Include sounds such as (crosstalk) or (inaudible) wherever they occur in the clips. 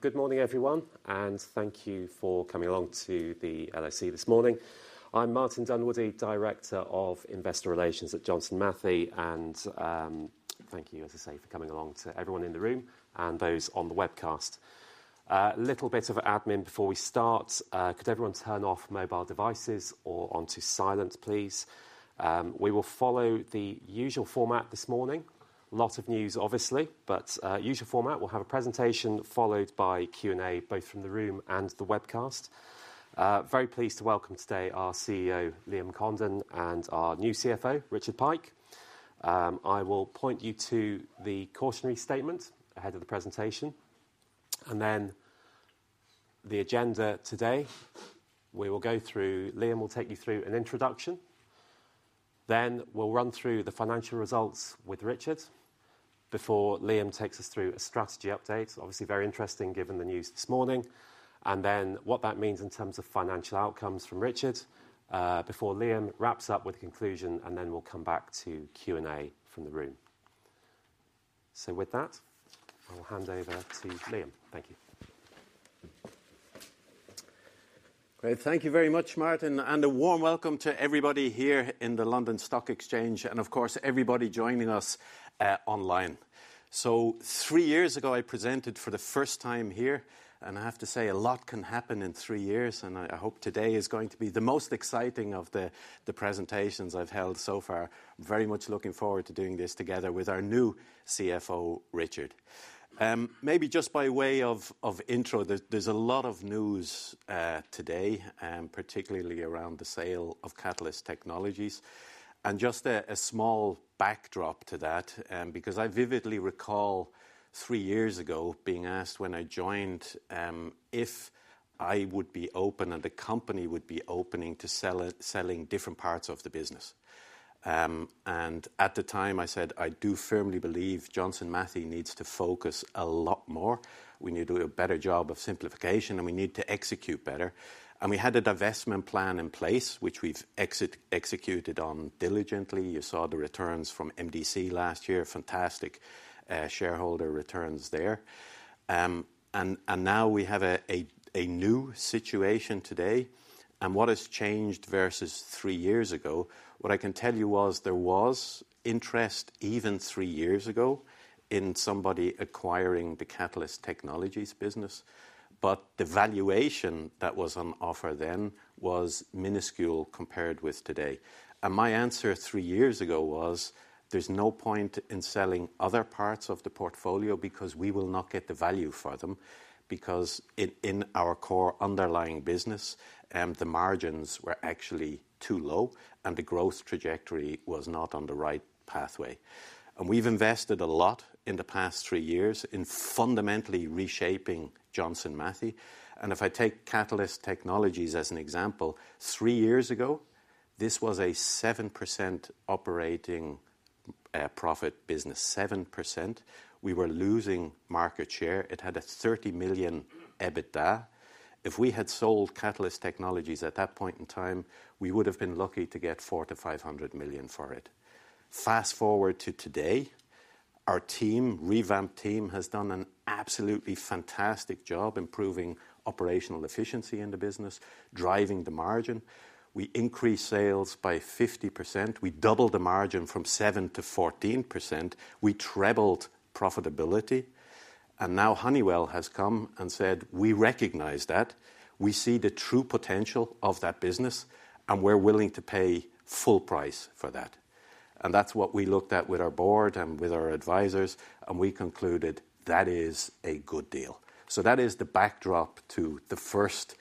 Good morning, everyone, and thank you for coming along to the London Stock Exchange this morning. I'm Martin Dunwoodie, Director of Investor Relations at Johnson Matthey, and thank you, as I say, for coming along to everyone in the room and those on the webcast. A little bit of admin before we start. Could everyone turn off mobile devices or onto silent, please? We will follow the usual format this morning. Lots of news, obviously, but usual format. We'll have a presentation followed by Q&A, both from the room and the webcast. Very pleased to welcome today our CEO, Liam Condon, and our new CFO, Richard Pike. I will point you to the cautionary statement ahead of the presentation, and then the agenda today. We will go through—Liam will take you through an introduction. Then we'll run through the financial results with Richard before Liam takes us through a strategy update. Obviously, very interesting given the news this morning, and then what that means in terms of financial outcomes from Richard, before Liam wraps up with a conclusion, and then we'll come back to Q&A from the room. With that, I'll hand over to Liam. Thank you. Great. Thank you very much, Martin, and a warm welcome to everybody here in the London Stock Exchange, and of course, everybody joining us online. Three years ago, I presented for the first time here, and I have to say a lot can happen in three years, and I hope today is going to be the most exciting of the presentations I have held so far. I am very much looking forward to doing this together with our new CFO, Richard. Maybe just by way of intro, there is a lot of news today, particularly around the sale of Catalyst Technologies. Just a small backdrop to that, because I vividly recall three years ago being asked when I joined if I would be open and the company would be open to selling different parts of the business. At the time I said, "I do firmly believe Johnson Matthey needs to focus a lot more. We need to do a better job of simplification, and we need to execute better." We had a divestment plan in place, which we've executed on diligently. You saw the returns from MDC last year—fantastic, shareholder returns there. Now we have a new situation today. What has changed versus three years ago, what I can tell you was there was interest even three years ago in somebody acquiring the Catalyst Technologies business, but the valuation that was on offer then was minuscule compared with today. My answer three years ago was, "There's no point in selling other parts of the portfolio because we will not get the value for them," because in our core underlying business, the margins were actually too low, and the growth trajectory was not on the right pathway. We have invested a lot in the past three years in fundamentally reshaping Johnson Matthey. If I take Catalyst Technologies as an example, three years ago, this was a 7% operating profit business. 7%. We were losing market share. It had a 30 million EBITDA. If we had sold Catalyst Technologies at that point in time, we would have been lucky to get 400 million-500 million for it. Fast forward to today, our team, revamped team, has done an absolutely fantastic job improving operational efficiency in the business, driving the margin. We increased sales by 50%. We doubled the margin from 7% to 14%. We trebled profitability. Now Honeywell has come and said, "We recognize that. We see the true potential of that business, and we're willing to pay full price for that." That is what we looked at with our board and with our advisors, and we concluded that is a good deal. That is the backdrop to the first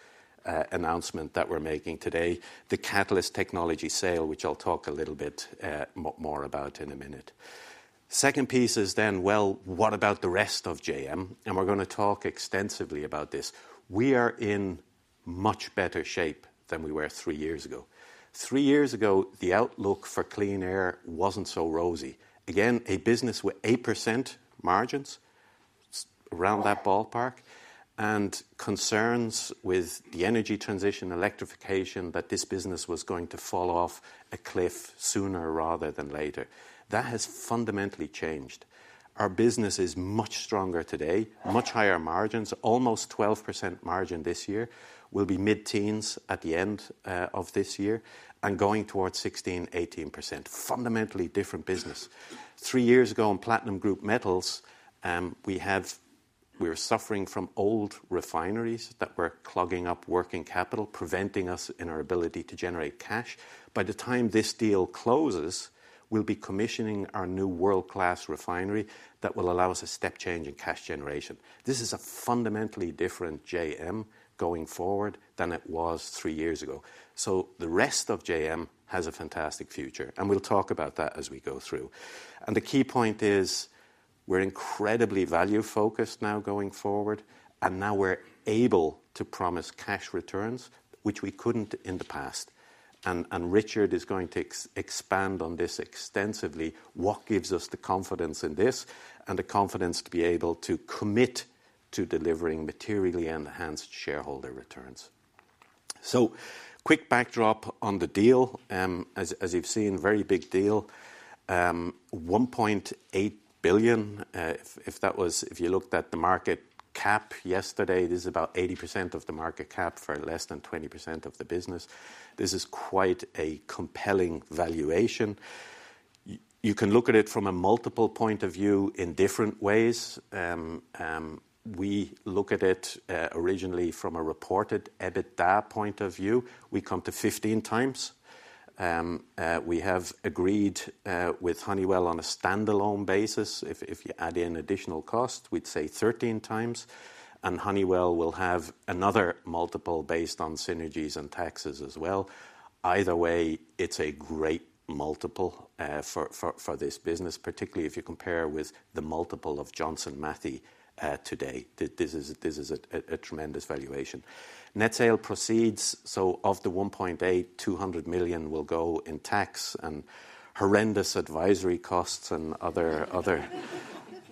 announcement that we're making today, the Catalyst Technologies sale, which I'll talk a little bit more about in a minute. The second piece is, what about the rest of JM? We're gonna talk extensively about this. We are in much better shape than we were three years ago. Three years ago, the outlook for clean air wasn't so rosy. Again, a business with 8% margins, around that ballpark, and concerns with the energy transition, electrification, that this business was going to fall off a cliff sooner rather than later. That has fundamentally changed. Our business is much stronger today, much higher margins, almost 12% margin this year. We will be mid-teens at the end of this year and going towards 16%-18%. Fundamentally different business. Three years ago in platinum group metals, we have—we were suffering from old refineries that were clogging up working capital, preventing us in our ability to generate cash. By the time this deal closes, we will be commissioning our new world-class refinery that will allow us a step change in cash generation. This is a fundamentally different JM going forward than it was three years ago. The rest of JM has a fantastic future, and we will talk about that as we go through. The key point is we're incredibly value-focused now going forward, and now we're able to promise cash returns, which we couldn't in the past. Richard is going to expand on this extensively, what gives us the confidence in this and the confidence to be able to commit to delivering materially enhanced shareholder returns. Quick backdrop on the deal, as you've seen, very big deal. 1.8 billion, if you looked at the market cap yesterday, this is about 80% of the market cap for less than 20% of the business. This is quite a compelling valuation. You can look at it from a multiple point of view in different ways. We look at it, originally from a reported EBITDA point of view. We come to 15x. We have agreed with Honeywell on a standalone basis. If you add in additional cost, we'd say 13x, and Honeywell will have another multiple based on synergies and taxes as well. Either way, it's a great multiple for this business, particularly if you compare with the multiple of Johnson Matthey today. This is a tremendous valuation. Net sale proceeds. Of the 1.8 billion, 200 million will go in tax and horrendous advisory costs and other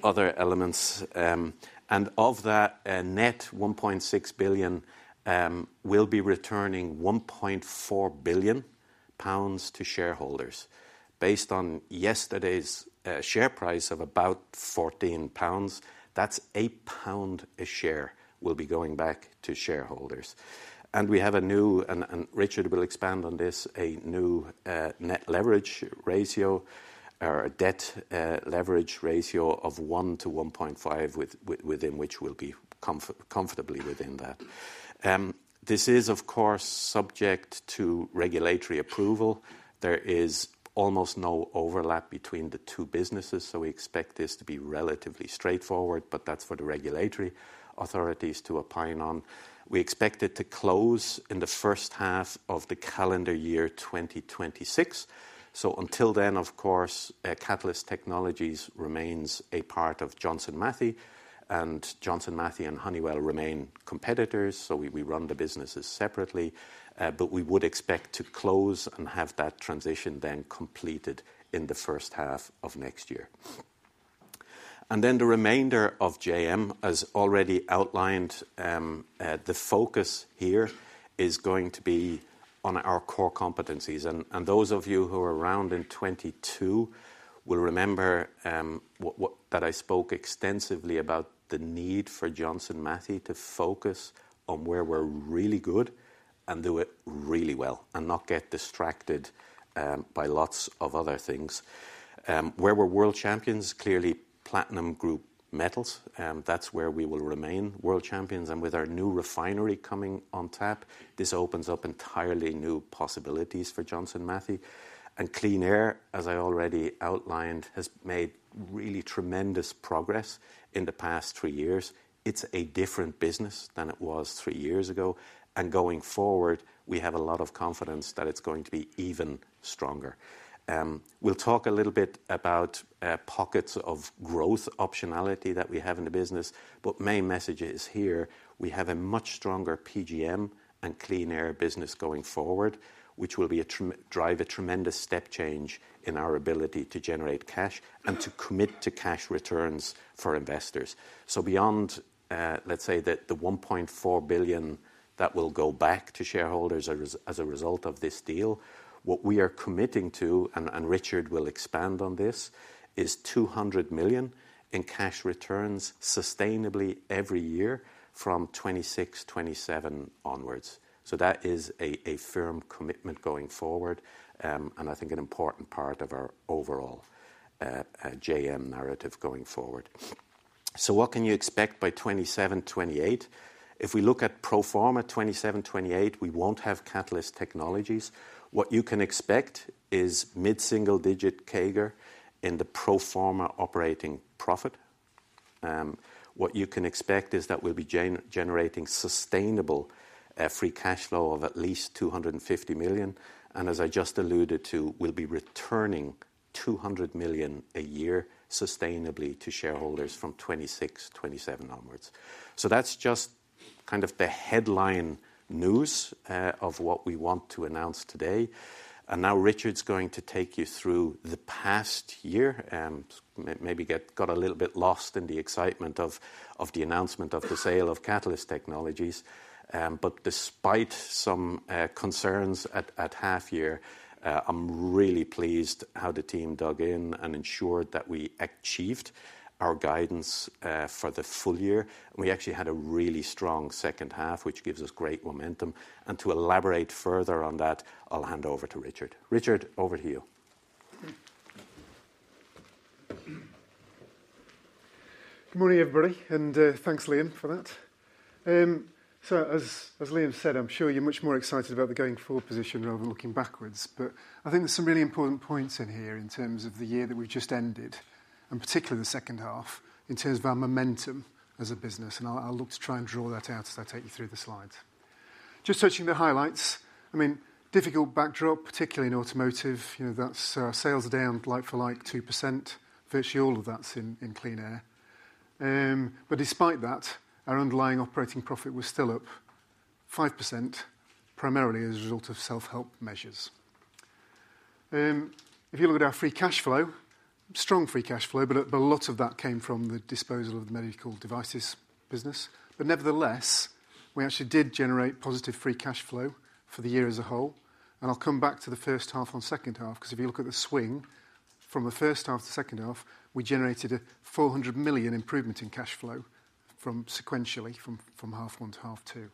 elements. Of that net 1.6 billion, we will be returning 1.4 billion pounds to shareholders. Based on yesterday's share price of about 14 pounds, that's GBP 8 a share will be going back to shareholders. We have a new—and Richard will expand on this—a new net leverage ratio or a debt leverage ratio of 1-1.5, within which we'll be comfortably within that. This is, of course, subject to regulatory approval. There is almost no overlap between the two businesses, so we expect this to be relatively straightforward, but that is for the regulatory authorities to opine on. We expect it to close in the first half of the calendar year 2026. Until then, of course, Catalyst Technologies remains a part of Johnson Matthey, and Johnson Matthey and Honeywell remain competitors, so we run the businesses separately. We would expect to close and have that transition then completed in the first half of next year. The remainder of JM, as already outlined, the focus here is going to be on our core competencies. Those of you who are around in 2022 will remember what I spoke extensively about, the need for Johnson Matthey to focus on where we're really good and do it really well and not get distracted by lots of other things. Where we're world champions, clearly platinum group metals. That's where we will remain world champions. With our new refinery coming on tap, this opens up entirely new possibilities for Johnson Matthey. Clean Air, as I already outlined, has made really tremendous progress in the past three years. It's a different business than it was three years ago. Going forward, we have a lot of confidence that it's going to be even stronger. We'll talk a little bit about pockets of growth optionality that we have in the business, but my message is here we have a much stronger PGM and Clean Air business going forward, which will drive a tremendous step change in our ability to generate cash and to commit to cash returns for investors. Beyond, let's say, the 1.4 billion that will go back to shareholders as a result of this deal, what we are committing to, and Richard will expand on this, is 200 million in cash returns sustainably every year from 2026, 2027 onwards. That is a firm commitment going forward, and I think an important part of our overall JM narrative going forward. What can you expect by 2027, 2028? If we look at pro forma 2027, 2028, we won't have Catalyst Technologies. What you can expect is mid-single-digit CAGR in the pro forma operating profit. What you can expect is that we'll be generating sustainable, free cash flow of at least 250 million. As I just alluded to, we'll be returning 200 million a year sustainably to shareholders from 2026, 2027 onwards. That is just kind of the headline news of what we want to announce today. Now Richard's going to take you through the past year, maybe got a little bit lost in the excitement of the announcement of the sale of Catalyst Technologies. Despite some concerns at half year, I'm really pleased how the team dug in and ensured that we achieved our guidance for the full year. We actually had a really strong second half, which gives us great momentum. To elaborate further on that, I'll hand over to Richard. Richard, over to you. Good morning, everybody. Thanks, Liam, for that. As Liam said, I'm sure you're much more excited about the going forward position rather than looking backwards. I think there's some really important points in here in terms of the year that we've just ended, and particularly the second half, in terms of our momentum as a business. I'll look to try and draw that out as I take you through the slides. Just touching the highlights, I mean, difficult backdrop, particularly in automotive. You know, that's sales down like for like 2%. Virtually all of that's in Clean Air. Despite that, our underlying operating profit was still up 5%, primarily as a result of self-help measures. If you look at our free cash flow, strong free cash flow, but a lot of that came from the disposal of the medical devices business. Nevertheless, we actually did generate positive free cash flow for the year as a whole. I'll come back to the first half and second half, 'cause if you look at the swing from the first half to second half, we generated a 400 million improvement in cash flow sequentially from half one to half two.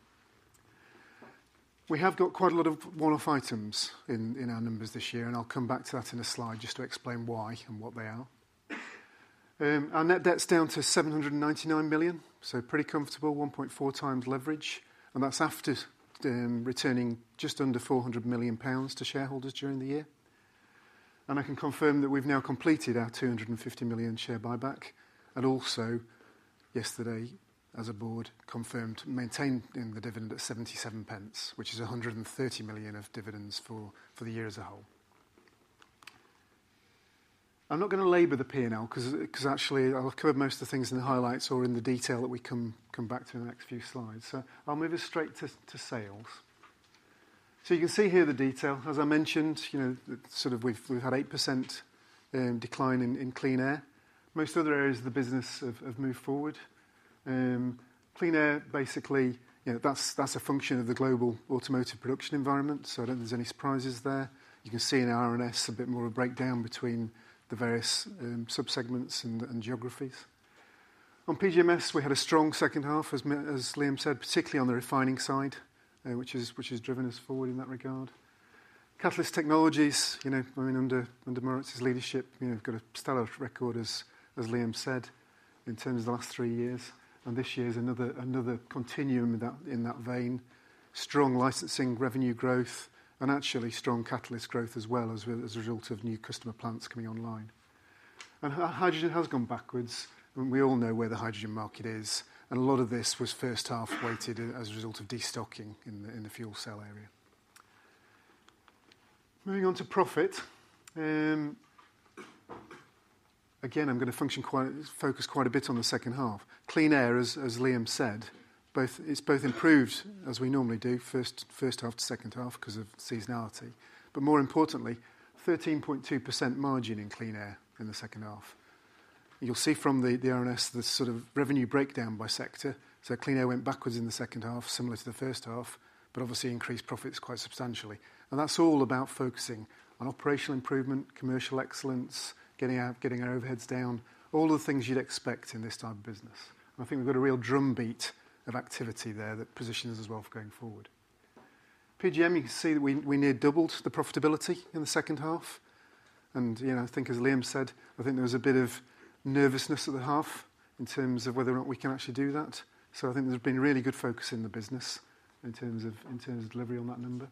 We have got quite a lot of one-off items in our numbers this year, and I'll come back to that in a slide just to explain why and what they are. Our net debt's down to 799 million, so pretty comfortable, 1.4 times leverage. That's after returning just under 400 million pounds to shareholders during the year. I can confirm that we have now completed our 250 million share buyback. Yesterday, as a board, we confirmed maintaining the dividend at 0.77, which is 130 million of dividends for the year as a whole. I am not gonna labour the P&L 'cause actually I will cover most of the things in the highlights or in the detail that we come back to in the next few slides. I will move us straight to sales. You can see here the detail. As I mentioned, you know, we have had an 8% decline in Clean Air. Most other areas of the business have moved forward. Clean Air basically, you know, that is a function of the global automotive production environment. I do not think there are any surprises there. You can see in R&S a bit more of a breakdown between the various subsegments and geographies. On PGMs, we had a strong second half, as Liam said, particularly on the refining side, which has driven us forward in that regard. Catalyst Technologies, you know, under Maurits' leadership, you know, got a stellar record, as Liam said, in terms of the last three years. And this year is another continuum in that vein. Strong licensing revenue growth and actually strong catalyst growth as well as a result of new customer plants coming online. And hydrogen has gone backwards. I mean, we all know where the hydrogen market is. A lot of this was first half weighted as a result of destocking in the fuel cell area. Moving on to profit. Again, I'm gonna focus quite a bit on the second half. Clean Air, as Liam said, it's both improved as we normally do, first half to second half because of seasonality. More importantly, 13.2% margin in Clean Air in the second half. You'll see from the R&S the sort of revenue breakdown by sector. Clean Air went backwards in the second half, similar to the first half, but obviously increased profits quite substantially. That's all about focusing on operational improvement, commercial excellence, getting our overheads down, all the things you'd expect in this type of business. I think we've got a real drumbeat of activity there that positions us well for going forward. PGM, you can see that we near doubled the profitability in the second half. You know, I think as Liam said, I think there was a bit of nervousness at the half in terms of whether or not we can actually do that. I think there's been really good focus in the business in terms of delivery on that number.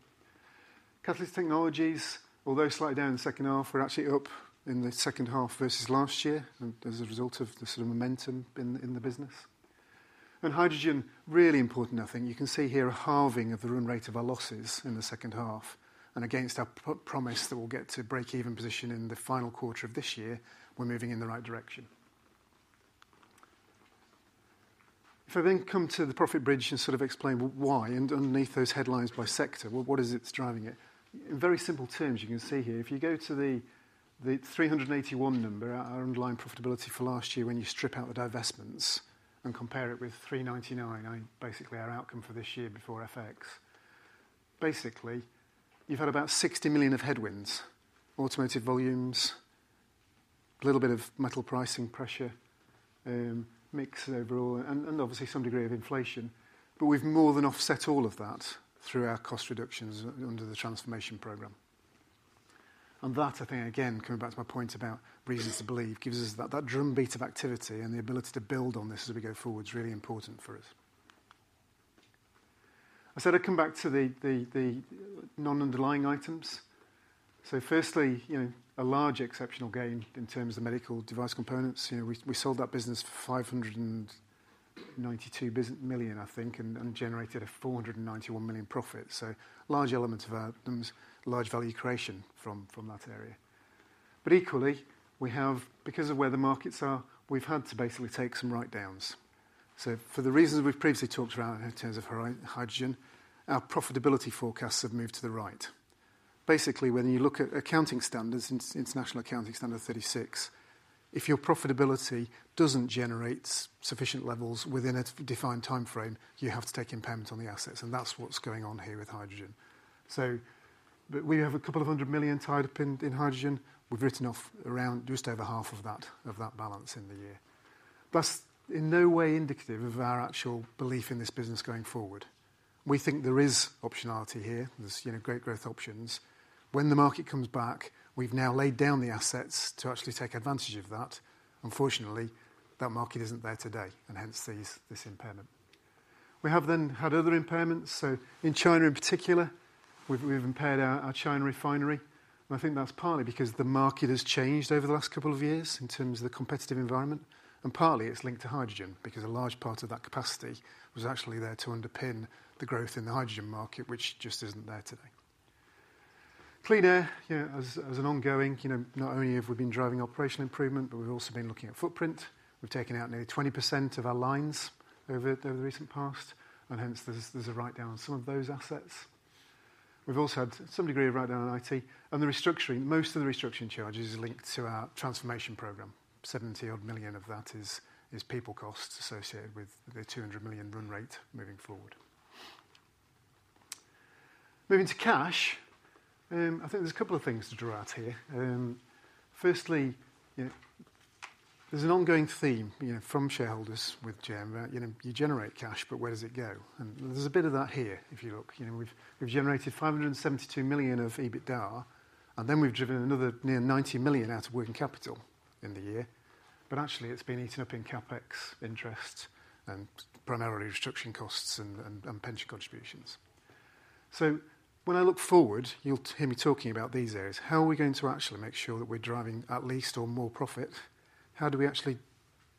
Catalyst Technologies, although slightly down in the second half, were actually up in the second half versus last year as a result of the sort of momentum in the business. And hydrogen, really important I think. You can see here a halving of the run rate of our losses in the second half. Against our pro-promise that we'll get to break-even position in the final quarter of this year, we're moving in the right direction. If I then come to the profit bridge and sort of explain why and underneath those headlines by sector, what is it that's driving it? In very simple terms, you can see here if you go to the 381 number, our underlying profitability for last year when you strip out the divestments and compare it with 399, basically our outcome for this year before FX, basically you've had about 60 million of headwinds, automotive volumes, a little bit of metal pricing pressure, mix overall, and obviously some degree of inflation. We have more than offset all of that through our cost reductions under the transformation programme. That, I think again, coming back to my point about reasons to believe, gives us that drumbeat of activity and the ability to build on this as we go forward is really important for us. I said I'd come back to the non-underlying items. Firstly, you know, a large exceptional gain in terms of medical device components. You know, we sold that business for 592 million, I think, and generated a 491 million profit. Large elements of our items, large value creation from that area. Equally, we have, because of where the markets are, we've had to basically take some write-downs. For the reasons we've previously talked about in terms of hydrogen, our profitability forecasts have moved to the right. Basically, when you look at accounting standards, International Accounting Standard 36, if your profitability does not generate sufficient levels within a defined timeframe, you have to take impairment on the assets. That is what's going on here with hydrogen. We have a couple of hundred million tied up in hydrogen. We've written off around just over half of that, of that balance in the year. That's in no way indicative of our actual belief in this business going forward. We think there is optionality here. There's, you know, great growth options. When the market comes back, we've now laid down the assets to actually take advantage of that. Unfortunately, that market isn't there today, and hence this impairment. We have then had other impairments. In China in particular, we've impaired our China refinery. I think that's partly because the market has changed over the last couple of years in terms of the competitive environment. Partly it's linked to hydrogen because a large part of that capacity was actually there to underpin the growth in the hydrogen market, which just isn't there today. Clean Air, you know, as an ongoing, you know, not only have we been driving operational improvement, but we have also been looking at footprint. We have taken out nearly 20% of our lines over the recent past. Hence, there is a write-down on some of those assets. We have also had some degree of write-down on. (audio distortion) The restructuring, most of the restructuring charges, is linked to our transformation programme. 70-odd million of that is people costs associated with the 200 million run rate moving forward. Moving to cash, I think there are a couple of things to draw out here. Firstly, you know, there is an ongoing theme, you know, from shareholders with JM about, you know, you generate cash, but where does it go? There is a bit of that here if you look. You know, we've generated 572 million of EBITDA, and then we've driven another near 90 million out of working capital in the year. Actually, it's been eaten up in CapEx, interest, and primarily restructuring costs and pension contributions. When I look forward, you'll hear me talking about these areas. How are we going to actually make sure that we're driving at least or more profit? How do we actually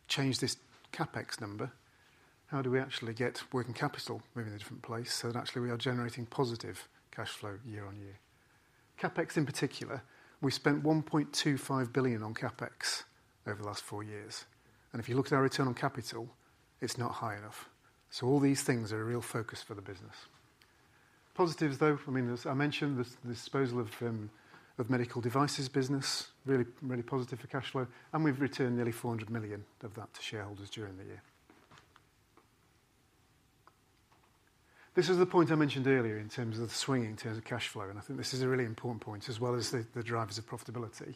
change this CapEx number? How do we actually get working capital moving to a different place so that actually we are generating positive cash flow year on year? CapEx in particular, we spent 1.25 billion on CapEx over the last four years. If you look at our return on capital, it's not high enough. All these things are a real focus for the business. Positives though, I mean, as I mentioned, the disposal of medical devices business, really, really positive for cash flow. And we've returned nearly 400 million of that to shareholders during the year. This is the point I mentioned earlier in terms of the swinging terms of cash flow. I think this is a really important point as well as the drivers of profitability.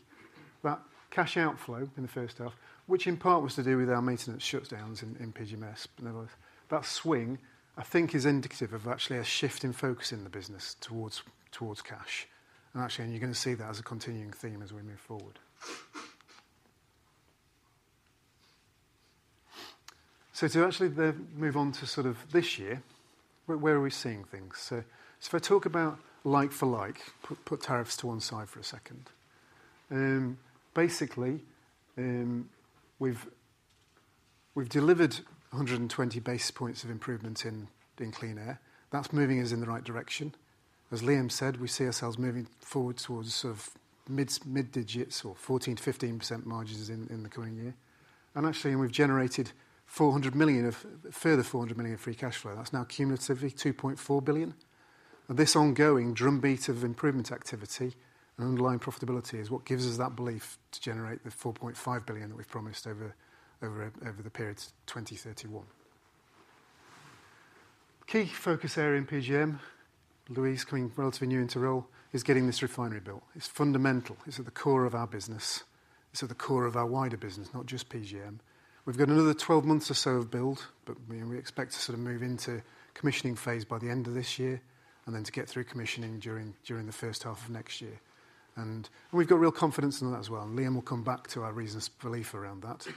That cash outflow in the first half, which in part was to do with our maintenance shutdowns in PGMs, but nevertheless, that swing I think is indicative of actually a shift in focusing the business towards cash. Actually, you're gonna see that as a continuing theme as we move forward. To actually then move on to sort of this year, where are we seeing things? If I talk about like for like, put tariffs to one side for a second. Basically, we've delivered 120 basis points of improvement in Clean Air. That's moving us in the right direction. As Liam said, we see ourselves moving forward towards sort of mid-single digits or 14%-15% margins in the coming year. Actually, we've generated 400 million of further free cash flow. That's now cumulatively 2.4 billion. This ongoing drumbeat of improvement activity and underlying profitability is what gives us that belief to generate the 4.5 billion that we've promised over the period to 2031. Key focus area in PGM, Louise coming relatively new into role, is getting this refinery built. It's fundamental. It's at the core of our business. It's at the core of our wider business, not just PGM. We've got another 12 months or so of build, but, you know, we expect to sort of move into commissioning phase by the end of this year and then to get through commissioning during the first half of next year. We have real confidence in that as well. Liam will come back to our reasons to believe around that.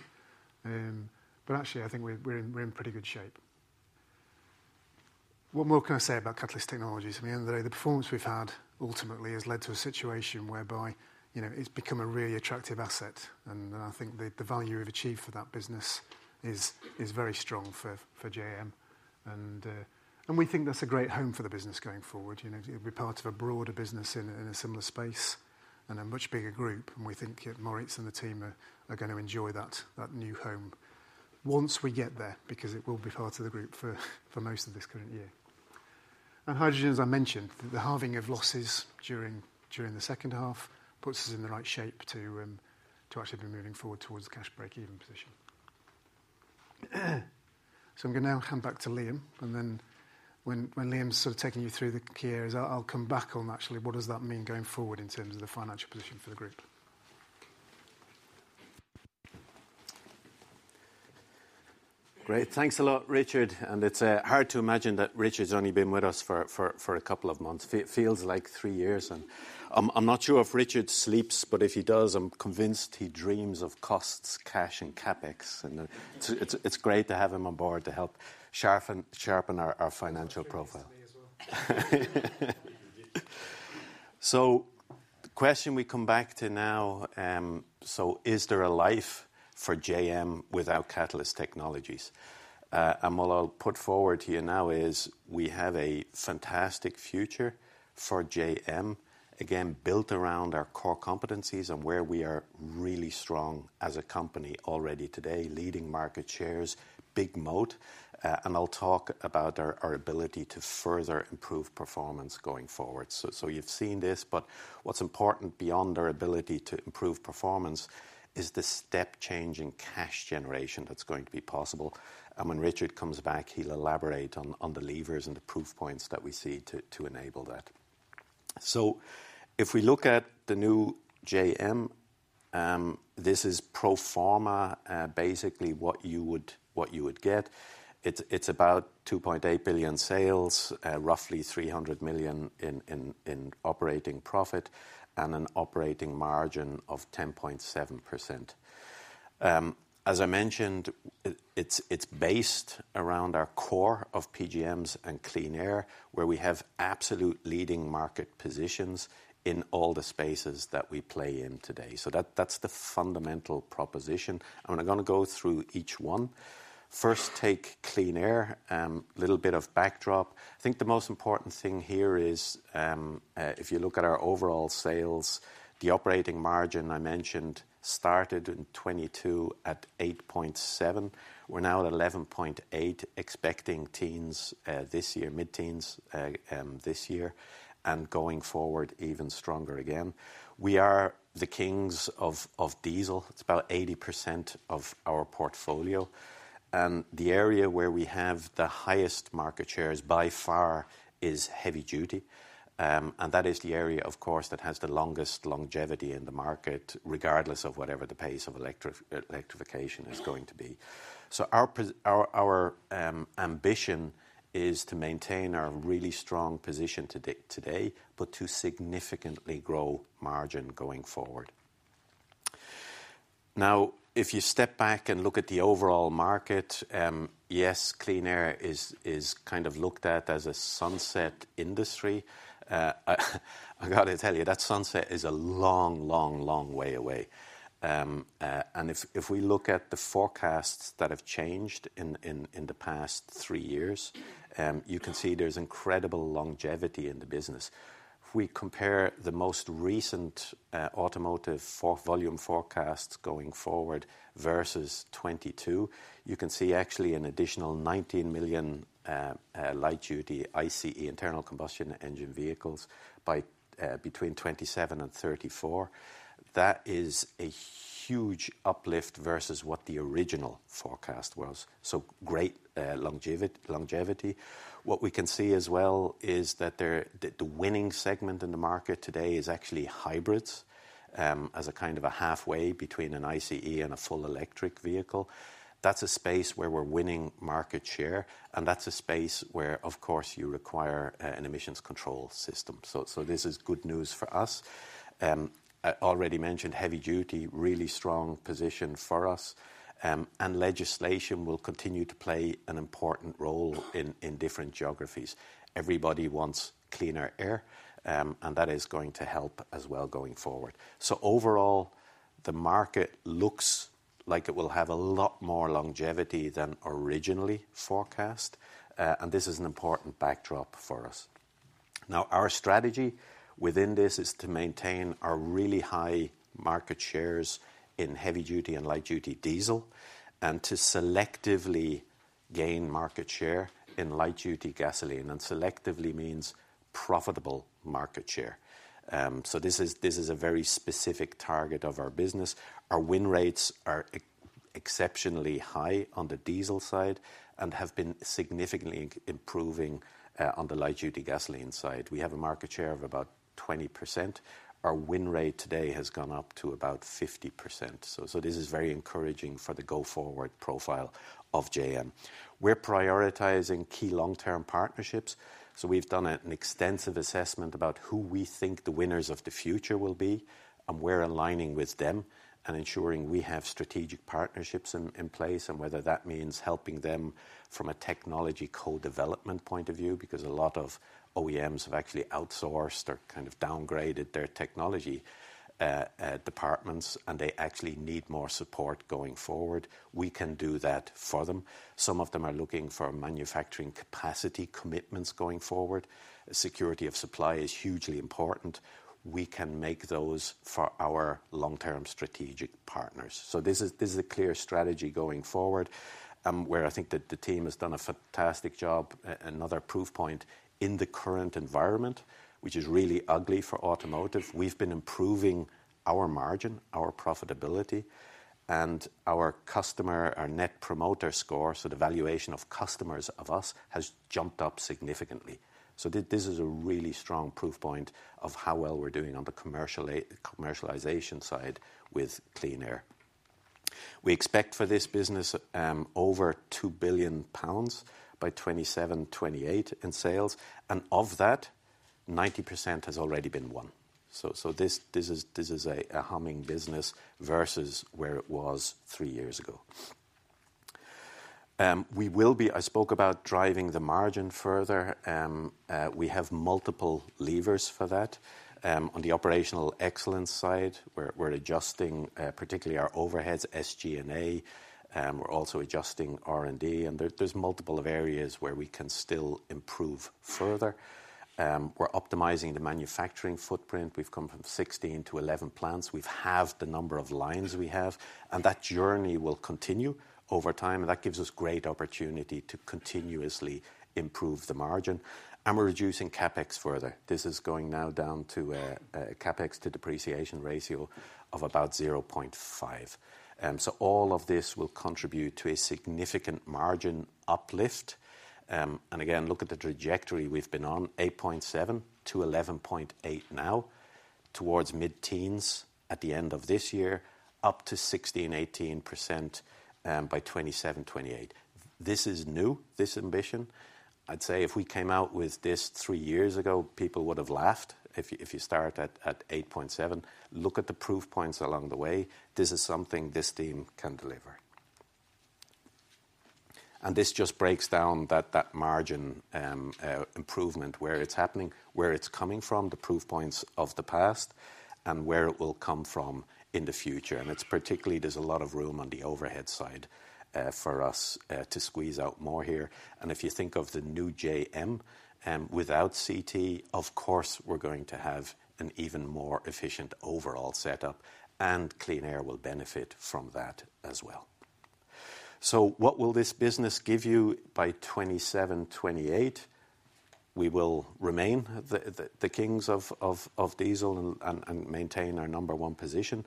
Actually, I think we're in pretty good shape. What more can I say about Catalyst Technologies? I mean, at the end of the day, the performance we've had ultimately has led to a situation whereby, you know, it's become a really attractive asset. I think the value we've achieved for that business is very strong for JM, and we think that's a great home for the business going forward. You know, it'll be part of a broader business in a similar space and a much bigger group. We think Maurits and the team are gonna enjoy that new home once we get there because it will be part of the group for most of this current year. And hydrogen, as I mentioned, the halving of losses during the second half puts us in the right shape to actually be moving forward towards the cash break-even position. I'm gonna now hand back to Liam. When Liam's sort of taking you through the key areas, I'll come back on actually what does that mean going forward in terms of the financial position for the group. Great. Thanks a lot, Richard. It's hard to imagine that Richard's only been with us for a couple of months. Feels like three years. And I'm, I'm not sure if Richard sleeps, but if he does, I'm convinced he dreams of costs, cash, and CapEx. And it's great to have him on board to help sharpen our financial profile. The question we come back to now is, is there a life for JM without Catalyst Technologies? What I'll put forward here now is we have a fantastic future for JM, again, built around our core competencies and where we are really strong as a company already today, leading market shares, big moat. I'll talk about our ability to further improve performance going forward. You've seen this, but what's important beyond our ability to improve performance is the step-changing cash generation that's going to be possible. When Richard comes back, he'll elaborate on the levers and the proof points that we see to enable that. If we look at the new JM, this is pro forma, basically what you would get. It's about 2.8 billion sales, roughly 300 million in operating profit and an operating margin of 10.7%. As I mentioned, it's based around our core of PGMs and Clean Air, where we have absolute leading market positions in all the spaces that we play in today. That's the fundamental proposition. I'm gonna go through each one. First, take Clean Air, little bit of backdrop. I think the most important thing here is, if you look at our overall sales, the operating margin I mentioned started in 2022 at 8.7%. We're now at 11.8, expecting teens this year, mid-teens this year and going forward even stronger again. We are the kings of diesel. It's about 80% of our portfolio. The area where we have the highest market shares by far is heavy duty, and that is the area, of course, that has the longest longevity in the market, regardless of whatever the pace of electrification is going to be. Our ambition is to maintain our really strong position today, but to significantly grow margin going forward. Now, if you step back and look at the overall market, yes, Clean Air is kind of looked at as a sunset industry. I gotta tell you, that sunset is a long, long, long way away. If we look at the forecasts that have changed in the past three years, you can see there is incredible longevity in the business. If we compare the most recent automotive volume forecasts going forward versus 2022, you can see actually an additional 19 million light duty ICE, internal combustion engine vehicles, between 2027 and 2034. That is a huge uplift versus what the original forecast was. Great longevity. What we can see as well is that the winning segment in the market today is actually hybrids, as a kind of halfway between an ICE and a full electric vehicle. That is a space where we are winning market share. That is a space where, of course, you require an emission control system. This is good news for us. I already mentioned heavy duty, really strong position for us. Legislation will continue to play an important role in different geographies. Everybody wants cleaner air, and that is going to help as well going forward. Overall, the market looks like it will have a lot more longevity than originally forecast, and this is an important backdrop for us. Now, our strategy within this is to maintain our really high market shares in heavy duty and light duty diesel and to selectively gain market share in light duty gasoline. Selectively means profitable market share, so this is a very specific target of our business. Our win rates are exceptionally high on the diesel side and have been significantly improving on the light duty gasoline side. We have a market share of about 20%. Our win rate today has gone up to about 50%. This is very encouraging for the go forward profile of JM. We're prioritizing key long-term partnerships. We've done an extensive assessment about who we think the winners of the future will be and we're aligning with them and ensuring we have strategic partnerships in place, and whether that means helping them from a technology co-development point of view, because a lot of OEMs have actually outsourced or kind of downgraded their technology departments, and they actually need more support going forward. We can do that for them. Some of them are looking for manufacturing capacity commitments going forward. Security of supply is hugely important. We can make those for our long-term strategic partners. This is a clear strategy going forward, where I think that the team has done a fantastic job, another proof point in the current environment, which is really ugly for automotive. We've been improving our margin, our profitability, and our customer, our net promoter score. The valuation of customers of us has jumped up significantly. This is a really strong proof point of how well we're doing on the commercialization side with Clean Air. We expect for this business, over 2 billion pounds by 2027-2028 in sales. Of that, 90% has already been won. This is a humming business versus where it was three years ago. I spoke about driving the margin further. We have multiple levers for that. On the operational excellence side, we're adjusting, particularly our overheads, SG&A. We're also adjusting R&D. There, there's multiple areas where we can still improve further. We're optimizing the manufacturing footprint. We've come from 16 to 11 plants. We've halved the number of lines we have, and that journey will continue over time. That gives us great opportunity to continuously improve the margin. We're reducing CapEx further. This is going now down to a CapEx to depreciation ratio of about 0.5. All of this will contribute to a significant margin uplift. Again, look at the trajectory we've been on, 8.7% to 11.8% now towards mid-teens at the end of this year, up to 16%-18% by 2027-2028. This is new, this ambition. I'd say if we came out with this three years ago, people would've laughed if you start at 8.7%. Look at the proof points along the way. This is something this team can deliver. This just breaks down that margin improvement, where it is happening, where it is coming from, the proof points of the past, and where it will come from in the future. There is a lot of room on the overhead side for us to squeeze out more here. If you think of the new JM, without CT, of course, we are going to have an even more efficient overall setup and Clean Air will benefit from that as well. What will this business give you by 2027, 2028? We will remain the kings of diesel and maintain our number one position.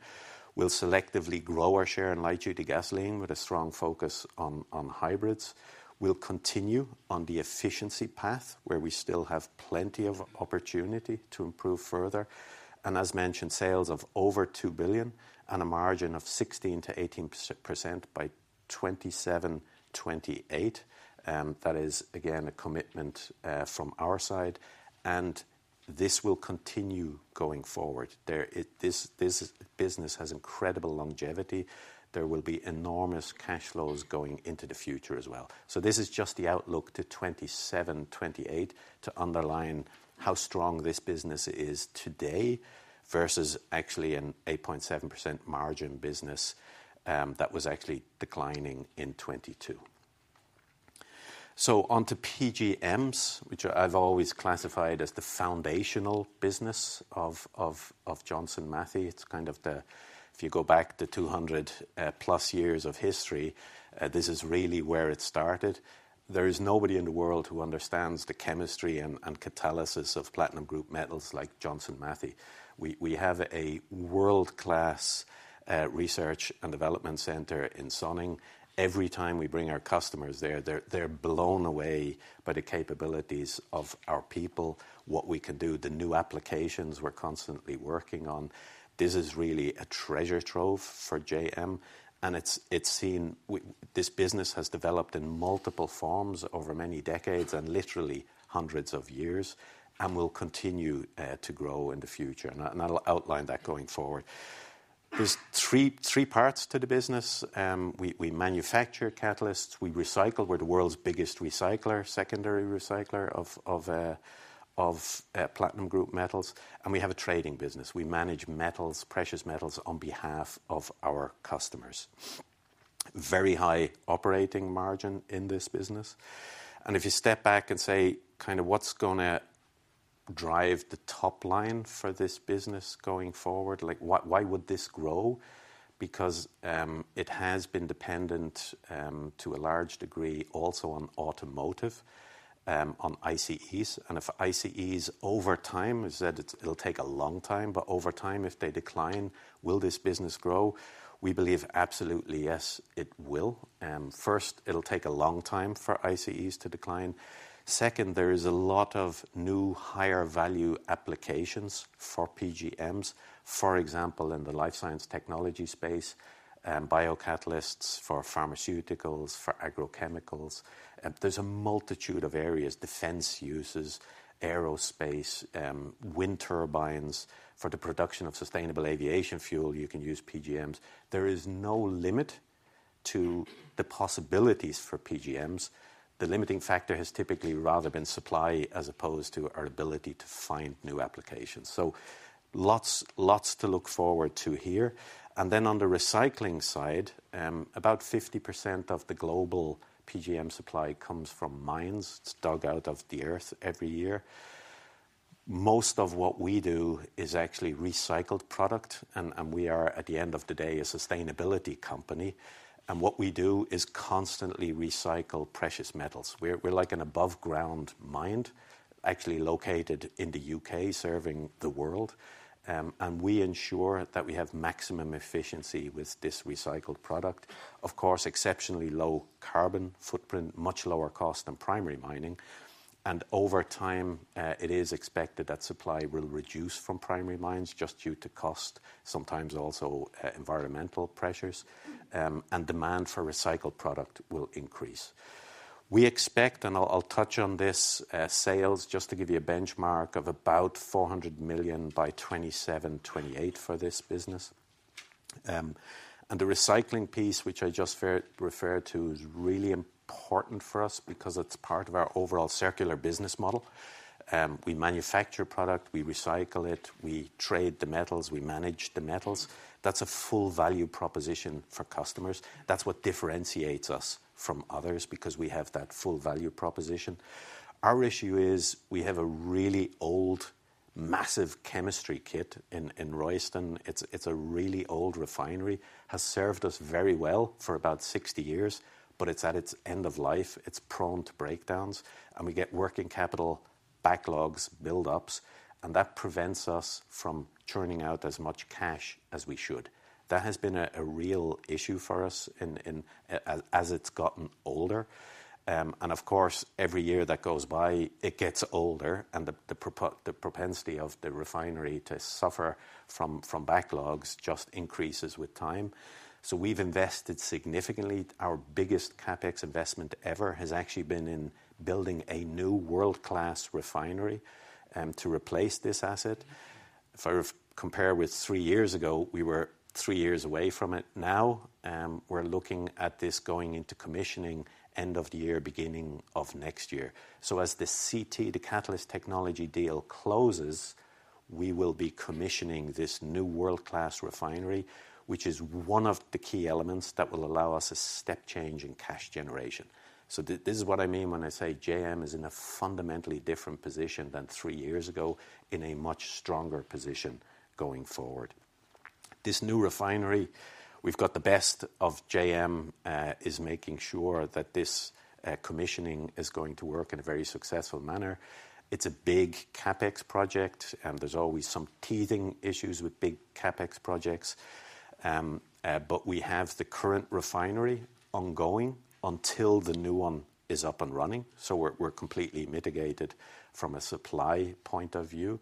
We will selectively grow our share in light duty gasoline with a strong focus on hybrids. We will continue on the efficiency path where we still have plenty of opportunity to improve further. As mentioned, sales of over 2 billion and a margin of 16-18% by 2027, 2028. That is again a commitment from our side. This will continue going forward. This business has incredible longevity. There will be enormous cash flows going into the future as well. This is just the outlook to 2027, 2028 to underline how strong this business is today versus actually an 8.7% margin business that was actually declining in 2022. Onto PGMs, which I have always classified as the foundational business of Johnson Matthey. If you go back the 200+ years of history, this is really where it started. There is nobody in the world who understands the chemistry and catalysis of platinum group metals like Johnson Matthey. We have a world-class research and development center in Sonning. Every time we bring our customers there, they're blown away by the capabilities of our people, what we can do, the new applications we're constantly working on. This is really a treasure trove for JM. It is seen, this business has developed in multiple forms over many decades and literally hundreds of years and will continue to grow in the future. I'll outline that going forward. There are three parts to the business. We manufacture catalysts, we recycle, we're the world's biggest secondary recycler of platinum group metals. We have a trading business. We manage metals, precious metals on behalf of our customers. Very high operating margin in this business. If you step back and say, kind of what's gonna drive the top line for this business going forward, like why would this grow? Because it has been dependent, to a large degree also on automotive, on ICEs. If ICEs over time, I said it'll take a long time, but over time, if they decline, will this business grow? We believe absolutely yes, it will. First, it'll take a long time for ICEs to decline. Second, there is a lot of new higher value applications for PGMs, for example, in the life science technology space, biocatalysts for pharmaceuticals, for agrochemicals. There is a multitude of areas, defense uses, aerospace, wind turbines for the production of sustainable aviation fuel. You can use PGMs. There is no limit to the possibilities for PGMs. The limiting factor has typically rather been supply as opposed to our ability to find new applications. Lots to look forward to here. On the recycling side, about 50% of the global PGMs supply comes from mines. It's dug out of the earth every year. Most of what we do is actually recycled product. We are at the end of the day a sustainability company. What we do is constantly recycle precious metals. We're like an above-ground mine, actually located in the U.K., serving the world. We ensure that we have maximum efficiency with this recycled product. Of course, exceptionally low carbon footprint, much lower cost than primary mining. Over time, it is expected that supply will reduce from primary mines just due to cost, sometimes also environmental pressures, and demand for recycled product will increase. We expect, and I'll touch on this, sales just to give you a benchmark of about 400 million by 2027-2028 for this business. The recycling piece, which I just referred to, is really important for us because it is part of our overall circular business model. We manufacture product, we recycle it, we trade the metals, we manage the metals. That is a full value proposition for customers. That is what differentiates us from others because we have that full value proposition. Our issue is we have a really old, massive chemistry kit in Royston. It is a really old refinery, has served us very well for about 60 years, but it is at its end of life. It is prone to breakdowns and we get working capital backlogs, buildups, and that prevents us from churning out as much cash as we should. That has been a real issue for us as it has gotten older. Of course, every year that goes by, it gets older and the propensity of the refinery to suffer from backlogs just increases with time. We have invested significantly. Our biggest CapEx investment ever has actually been in building a new world-class refinery to replace this asset. If I compare with three years ago, we were three years away from it. Now, we are looking at this going into commissioning end of the year, beginning of next year. As the CT, the catalyst technology deal closes, we will be commissioning this new world-class refinery, which is one of the key elements that will allow us a step change in cash generation. This is what I mean when I say JM is in a fundamentally different position than three years ago in a much stronger position going forward. This new refinery, we've got the best of JM, is making sure that this commissioning is going to work in a very successful manner. It's a big CapEx project and there's always some teething issues with big CapEx projects. We have the current refinery ongoing until the new one is up and running. We're completely mitigated from a supply point of view.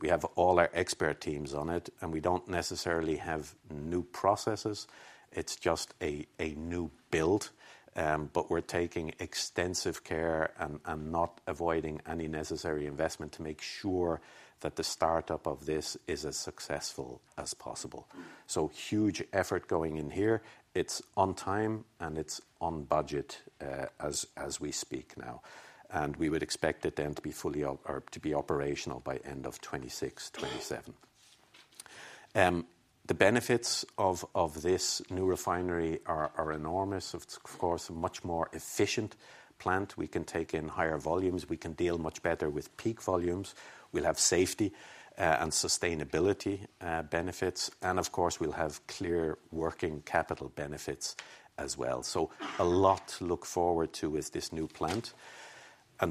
We have all our expert teams on it and we don't necessarily have new processes. It's just a new build. We're taking extensive care and not avoiding any necessary investment to make sure that the startup of this is as successful as possible. Huge effort going in here. It's on time and it's on budget, as we speak now. We would expect it then to be fully or to be operational by end of 2026, 2027. The benefits of this new refinery are enormous. It's, of course, a much more efficient plant. We can take in higher volumes. We can deal much better with peak volumes. We'll have safety and sustainability benefits. Of course, we'll have clear working capital benefits as well. A lot to look forward to with this new plant.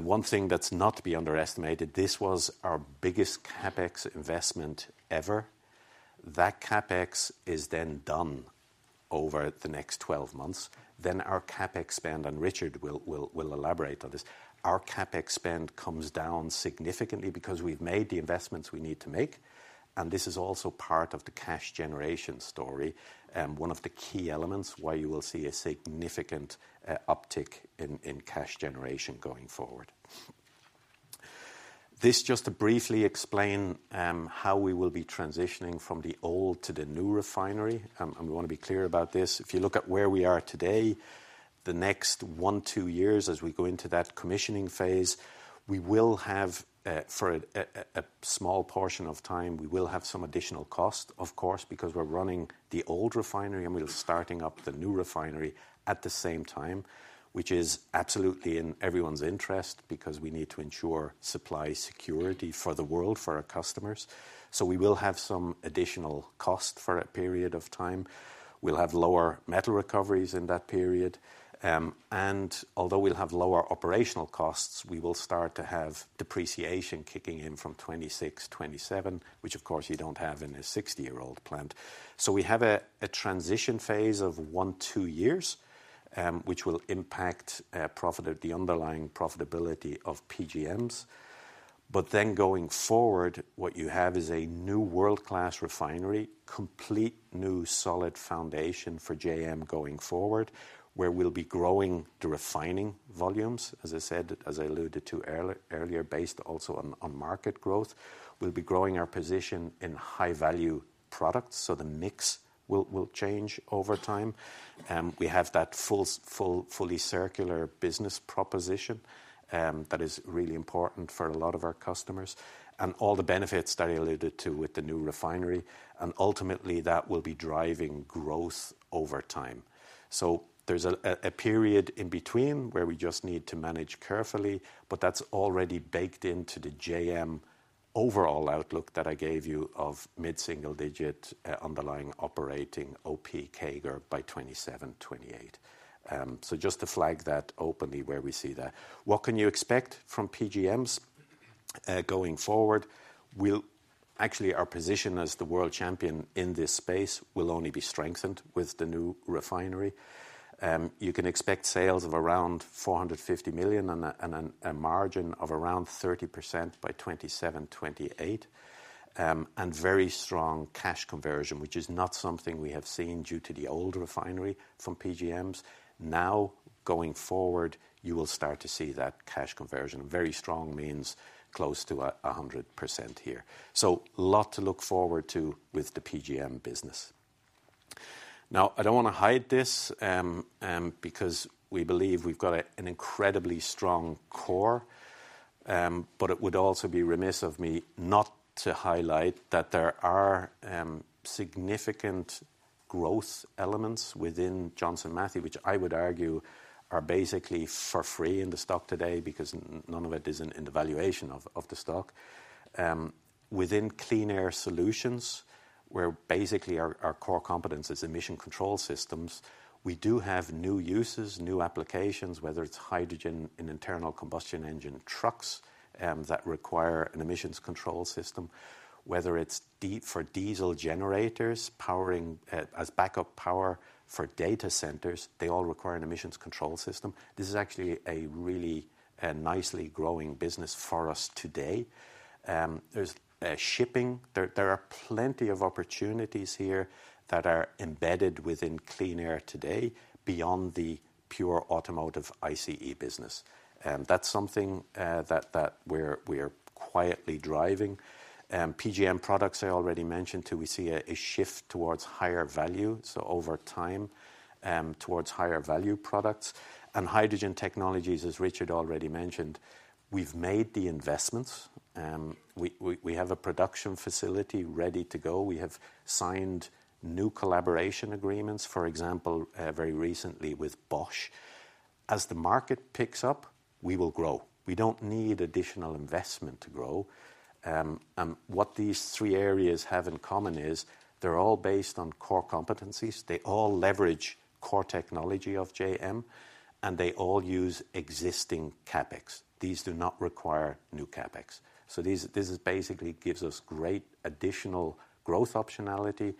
One thing that's not to be underestimated, this was our biggest CapEx investment ever. That CapEx is then done over the next 12 months. Our CapEx spend, and Richard will elaborate on this, our CapEx spend comes down significantly because we've made the investments we need to make. This is also part of the cash generation story, one of the key elements why you will see a significant uptick in cash generation going forward. This just to briefly explain how we will be transitioning from the old to the new refinery. We wanna be clear about this. If you look at where we are today, the next one, two years, as we go into that commissioning phase, we will have, for a small portion of time, we will have some additional cost, of course, because we're running the old refinery and we're starting up the new refinery at the same time, which is absolutely in everyone's interest because we need to ensure supply security for the world, for our customers. We will have some additional cost for a period of time. We'll have lower metal recoveries in that period, and although we'll have lower operational costs, we will start to have depreciation kicking in from 2026, 2027, which of course you don't have in a 60-year-old plant. We have a transition phase of one-two years, which will impact profit, the underlying profitability of PGMs. Then going forward, what you have is a new world-class refinery, complete new solid foundation for JM going forward, where we will be growing the refining volumes, as I said, as I alluded to earlier, based also on market growth. We will be growing our position in high value products. The mix will change over time. We have that full, fully circular business proposition that is really important for a lot of our customers and all the benefits that I alluded to with the new refinery. Ultimately, that will be driving growth over time. There is a period in between where we just need to manage carefully, but that is already baked into the JM overall outlook that I gave you of mid-single digit underlying operating OP CAGR by 2027, 2028. Just to flag that openly where we see that. What can you expect from PGMs going forward? Actually, our position as the world champion in this space will only be strengthened with the new refinery. You can expect sales of around 450 million and a margin of around 30% by 2027-2028, and very strong cash conversion, which is not something we have seen due to the old refinery from PGMs. Now going forward, you will start to see that cash conversion. Very strong means close to 100% here. A lot to look forward to with the PGM business. Now, I don't wanna hide this, because we believe we've got an incredibly strong core. It would also be remiss of me not to highlight that there are significant growth elements within Johnson Matthey, which I would argue are basically for free in the stock today because none of it is in the valuation of the stock. Within Clean Air Solutions, where basically our core competence is emission control systems, we do have new uses, new applications, whether it's hydrogen and internal combustion engine trucks that require an emissions control system, whether it's diesel generators powering as backup power for data centers, they all require an emissions control system. This is actually a really nicely growing business for us today. There's shipping. There are plenty of opportunities here that are embedded within Clean Air today beyond the pure automotive ICE business. That's something that we're quietly driving. PGM products I already mentioned too, we see a shift towards higher value. Over time, towards higher value products and hydrogen technologies, as Richard already mentioned, we've made the investments. We have a production facility ready to go. We have signed new collaboration agreements, for example, very recently with Bosch. As the market picks up, we will grow. We don't need additional investment to grow. What these three areas have in common is they're all based on core competencies. They all leverage core technology of JM and they all use existing CapEx. These do not require new CapEx. This basically gives us great additional growth optionality,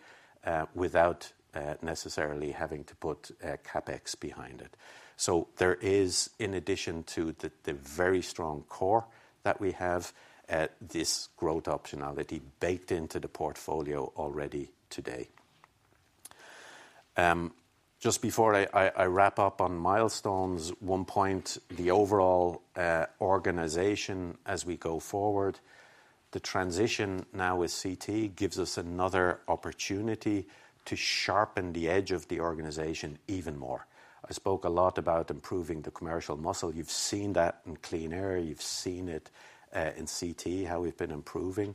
without necessarily having to put CapEx behind it. There is, in addition to the very strong core that we have, this growth optionality baked into the portfolio already today. Just before I wrap up on milestones, one point, the overall organization as we go forward, the transition now with CT gives us another opportunity to sharpen the edge of the organization even more. I spoke a lot about improving the commercial muscle. You've seen that in Clean Air. You've seen it in CT, how we've been improving.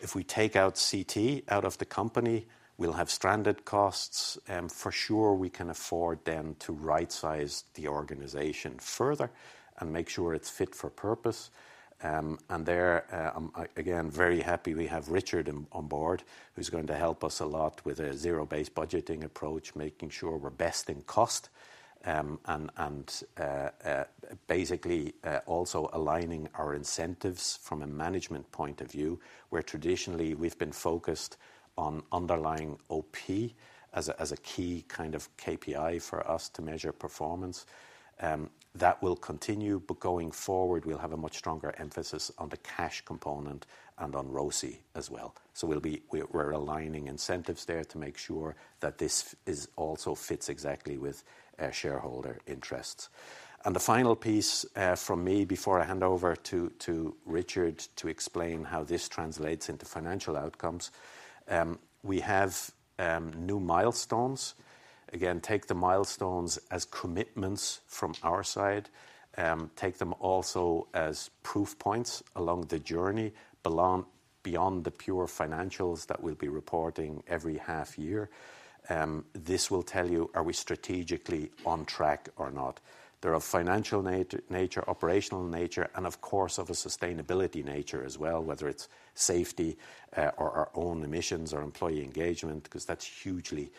If we take out CT out of the company, we'll have stranded costs. For sure we can afford then to right-size the organization further and make sure it's fit for purpose. There, I'm again very happy we have Richard on board, who's going to help us a lot with a zero-based budgeting approach, making sure we're best in cost. And, basically, also aligning our incentives from a management point of view, where traditionally we've been focused on underlying OP as a key kind of KPI for us to measure performance. That will continue, but going forward, we'll have a much stronger emphasis on the cash component and on ROIC as well. We're aligning incentives there to make sure that this also fits exactly with shareholder interests. The final piece from me before I hand over to Richard to explain how this translates into financial outcomes: we have new milestones. Again, take the milestones as commitments from our side. Take them also as proof points along the journey beyond the pure financials that we'll be reporting every half year. This will tell you, are we strategically on track or not? There are financial nature, operational nature, and of course of a sustainability nature as well, whether it's safety, or our own emissions or employee engagement, 'cause that's hugely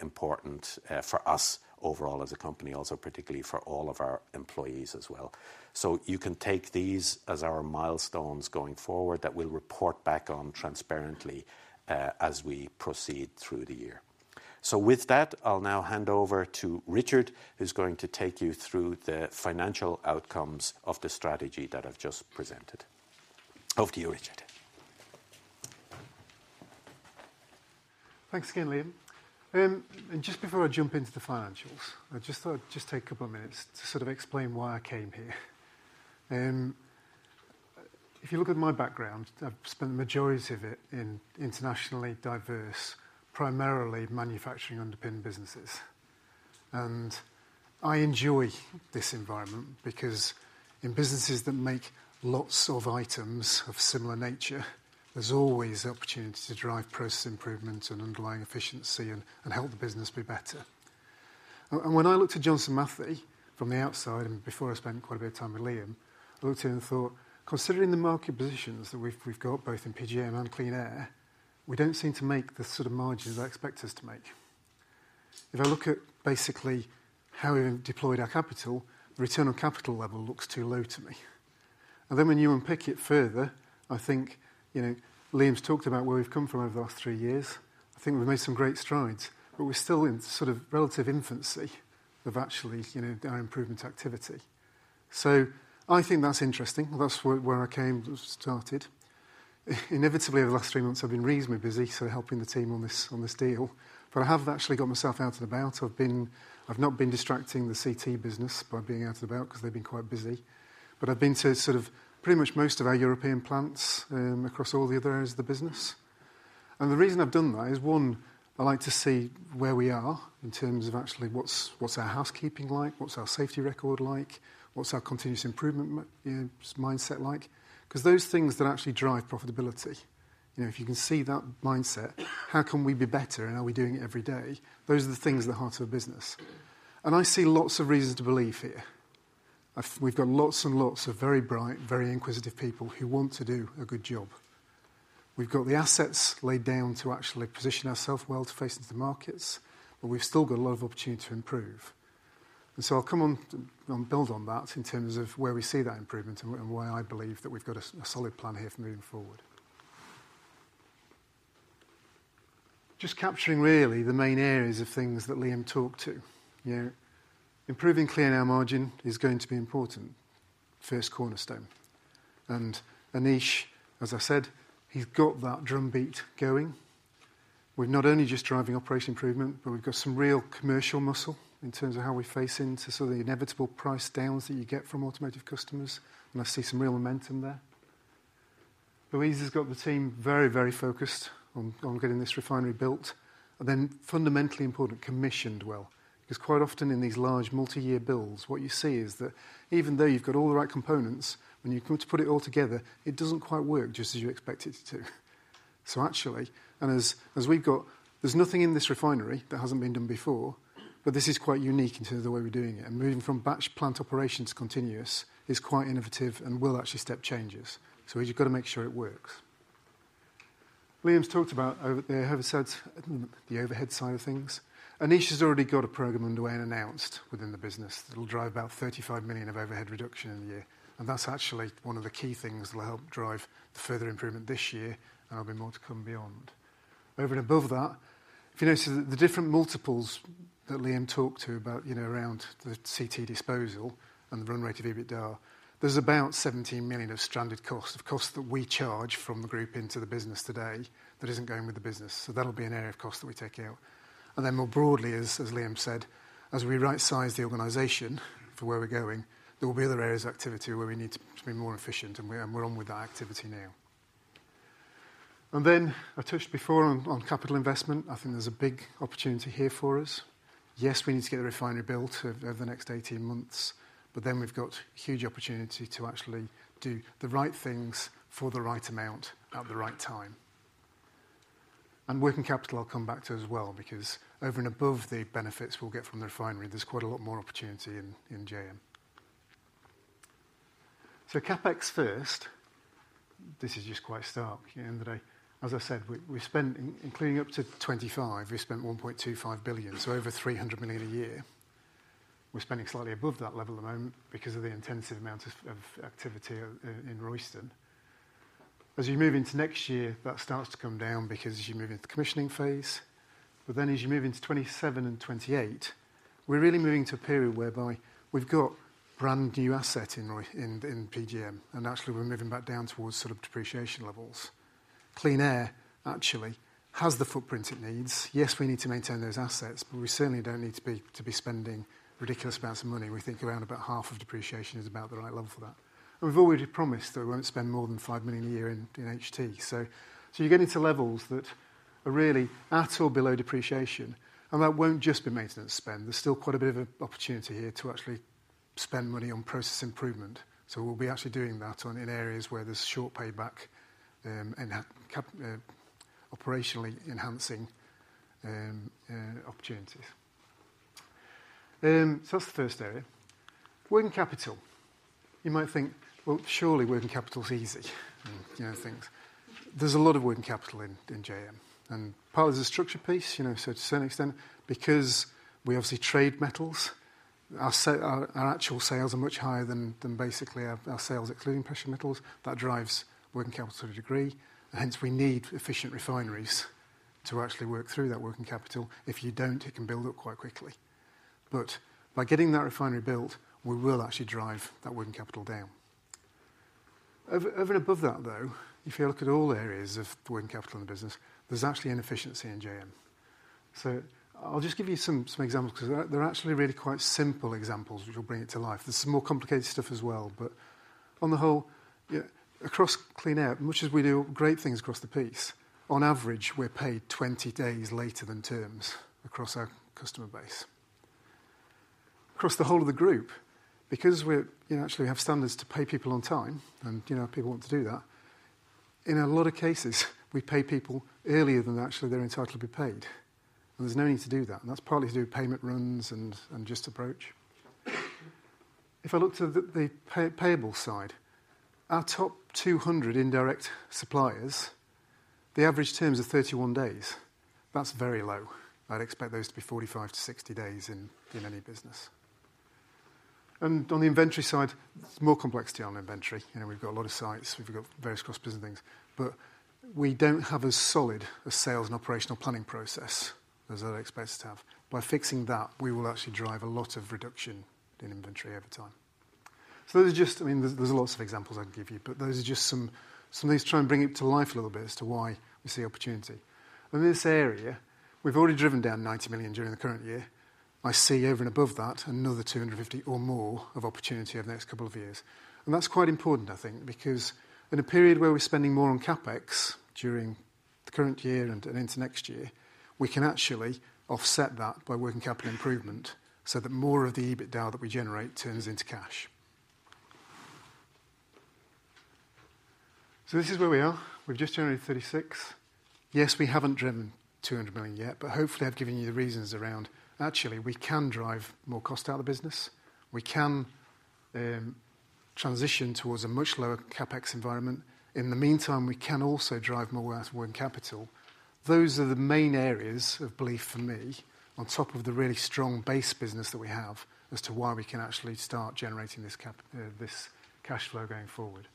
important for us overall as a company, also particularly for all of our employees as well. You can take these as our milestones going forward that we'll report back on transparently, as we proceed through the year. With that, I'll now hand over to Richard, who's going to take you through the financial outcomes of the strategy that I've just presented. Over to you, Richard. Thanks again, Liam. Just before I jump into the financials, I just thought I'd take a couple of minutes to sort of explain why I came here. If you look at my background, I've spent the majority of it in internationally diverse, primarily manufacturing underpinned businesses. I enjoy this environment because in businesses that make lots of items of similar nature, there's always the opportunity to drive process improvement and underlying efficiency and help the business be better. When I looked at Johnson Matthey from the outside, before I spent quite a bit of time with Liam, I looked at him and thought, considering the market positions that we've got both in PGM and Clean Air, we do not seem to make the sort of margins I expect us to make. If I look at basically how we've deployed our capital, the return on capital level looks too low to me. When you unpick it further, I think, you know, Liam's talked about where we've come from over the last three years. I think we've made some great strides, but we're still in sort of relative infancy of actually, you know, our improvement activity. I think that's interesting. That's where I came started. Inevitably, over the last three months, I've been reasonably busy, helping the team on this, on this deal. I have actually got myself out and about. I've not been distracting the CT business by being out and about 'cause they've been quite busy. I've been to pretty much most of our European plants, across all the other areas of the business. The reason I've done that is, one, I like to see where we are in terms of actually what's, what's our housekeeping like, what's our safety record like, what's our continuous improvement, you know, mindset like. 'Cause those things that actually drive profitability, you know, if you can see that mindset, how can we be better and are we doing it every day? Those are the things at the heart of a business. I see lots of reasons to believe here. We've got lots and lots of very bright, very inquisitive people who want to do a good job. We've got the assets laid down to actually position ourself well to face into the markets, but we've still got a lot of opportunity to improve. I'll come on and build on that in terms of where we see that improvement and why I believe that we've got a solid plan here for moving forward. Just capturing really the main areas of things that Liam talked to, you know, improving clean air margin is going to be important, first cornerstone. Anish, as I said, he's got that drumbeat going. We're not only just driving operation improvement, but we've got some real commercial muscle in terms of how we face into sort of the inevitable price downs that you get from automotive customers. I see some real momentum there. Louise has got the team very, very focused on getting this refinery built. Fundamentally important, commissioned well, 'cause quite often in these large multi-year builds, what you see is that even though you've got all the right components, when you come to put it all together, it doesn't quite work just as you expect it to. Actually, as we've got, there's nothing in this refinery that hasn't been done before, but this is quite unique in terms of the way we're doing it. Moving from batch plant operations to continuous is quite innovative and will actually step changes. We just gotta make sure it works. Liam's talked about, they have said the overhead side of things. Anish has already got a program underway and announced within the business that'll drive about 35 million of overhead reduction in a year. That's actually one of the key things that'll help drive the further improvement this year. There'll be more to come beyond. Over and above that, if you notice the different multiples that Liam talked to about, you know, around the CT disposal and the run rate of EBITDA, there's about 17 million of stranded costs, of costs that we charge from the group into the business today that isn't going with the business. That'll be an area of cost that we take out. More broadly, as Liam said, as we right-size the organization for where we're going, there will be other areas of activity where we need to be more efficient. We're on with that activity now. I touched before on capital investment. I think there's a big opportunity here for us. Yes, we need to get the refinery built over the next 18 months, but then we've got huge opportunity to actually do the right things for the right amount at the right time. Working capital I'll come back to as well, because over and above the benefits we'll get from the refinery, there's quite a lot more opportunity in JM. CapEx first, this is just quite stark, you know, that I, as I said, we spent, including up to 2025, we spent 1.25 billion. Over 300 million a year, we're spending slightly above that level at the moment because of the intensive amount of activity in Royston. As you move into next year, that starts to come down because as you move into the commissioning phase, then as you move into 2027 and 2028, we're really moving to a period whereby we've got brand new asset in PGM. Actually, we're moving back down towards depreciation levels. Clean Air actually has the footprint it needs. Yes, we need to maintain those assets, but we certainly do not need to be spending ridiculous amounts of money. We think around about half of depreciation is about the right level for that. We've already promised that we will not spend more than 5 million a year in HT. You're getting to levels that are really at or below depreciation. That will not just be maintenance spend. There's still quite a bit of opportunity here to actually spend money on process improvement. We'll be actually doing that in areas where there's short payback and operationally enhancing opportunities. That's the first area. Working capital, you might think, surely working capital's easy, you know, things. There's a lot of working capital in JM and partly as a structure piece, you know, to a certain extent, because we obviously trade metals, our actual sales are much higher than basically our sales excluding precious metals. That drives working capital to a degree. Hence, we need efficient refineries to actually work through that working capital. If you do not, it can build up quite quickly. By getting that refinery built, we will actually drive that working capital down. Over and above that though, if you look at all areas of the working capital in the business, there's actually inefficiency in JM. I'll just give you some examples 'cause they're actually really quite simple examples which will bring it to life. There's some more complicated stuff as well. On the whole, you know, across Clean Air, much as we do great things across the piece, on average, we're paid 20 days later than terms across our customer base. Across the whole of the group, because we actually have standards to pay people on time and, you know, people want to do that. In a lot of cases, we pay people earlier than actually they're entitled to be paid. There's no need to do that. That is partly to do with payment runs and just approach. If I look to the payable side, our top 200 indirect suppliers, the average terms are 31 days. That is very low. I would expect those to be 45-60 days in any business. On the inventory side, there is more complexity on inventory. You know, we have a lot of sites, we have various cross business things, but we do not have as solid a sales and operational planning process as I would expect us to have. By fixing that, we will actually drive a lot of reduction in inventory over time. There are just, I mean, there are lots of examples I would give you, but those are just some, some of these try and bring it to life a little bit as to why we see opportunity. In this area, we've already driven down 90 million during the current year. I see over and above that, another 250 million or more of opportunity over the next couple of years. That is quite important, I think, because in a period where we're spending more on CapEx during the current year and into next year, we can actually offset that by working capital improvement so that more of the EBITDA that we generate turns into cash. This is where we are. We've just generated 36 million. Yes, we haven't driven 200 million yet, but hopefully I've given you the reasons around actually we can drive more cost out of the business. We can transition towards a much lower CapEx environment. In the meantime, we can also drive more working capital. Those are the main areas of belief for me on top of the really strong base business that we have as to why we can actually start generating this cash flow going forward.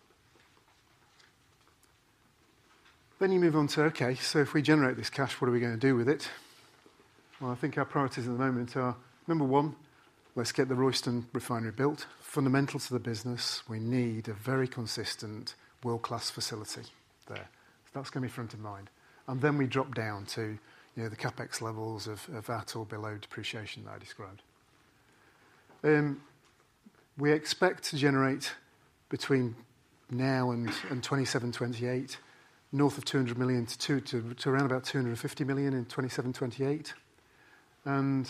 You move on to, okay, if we generate this cash, what are we gonna do with it? I think our priorities at the moment are, number one, let's get the Royston refinery built. Fundamental to the business, we need a very consistent world-class facility there. That's gonna be front of mind. Then we drop down to the CapEx levels of at or below depreciation that I described. We expect to generate between now and 2027-2028, north of 200 million to around about 250 million in 2027-2028.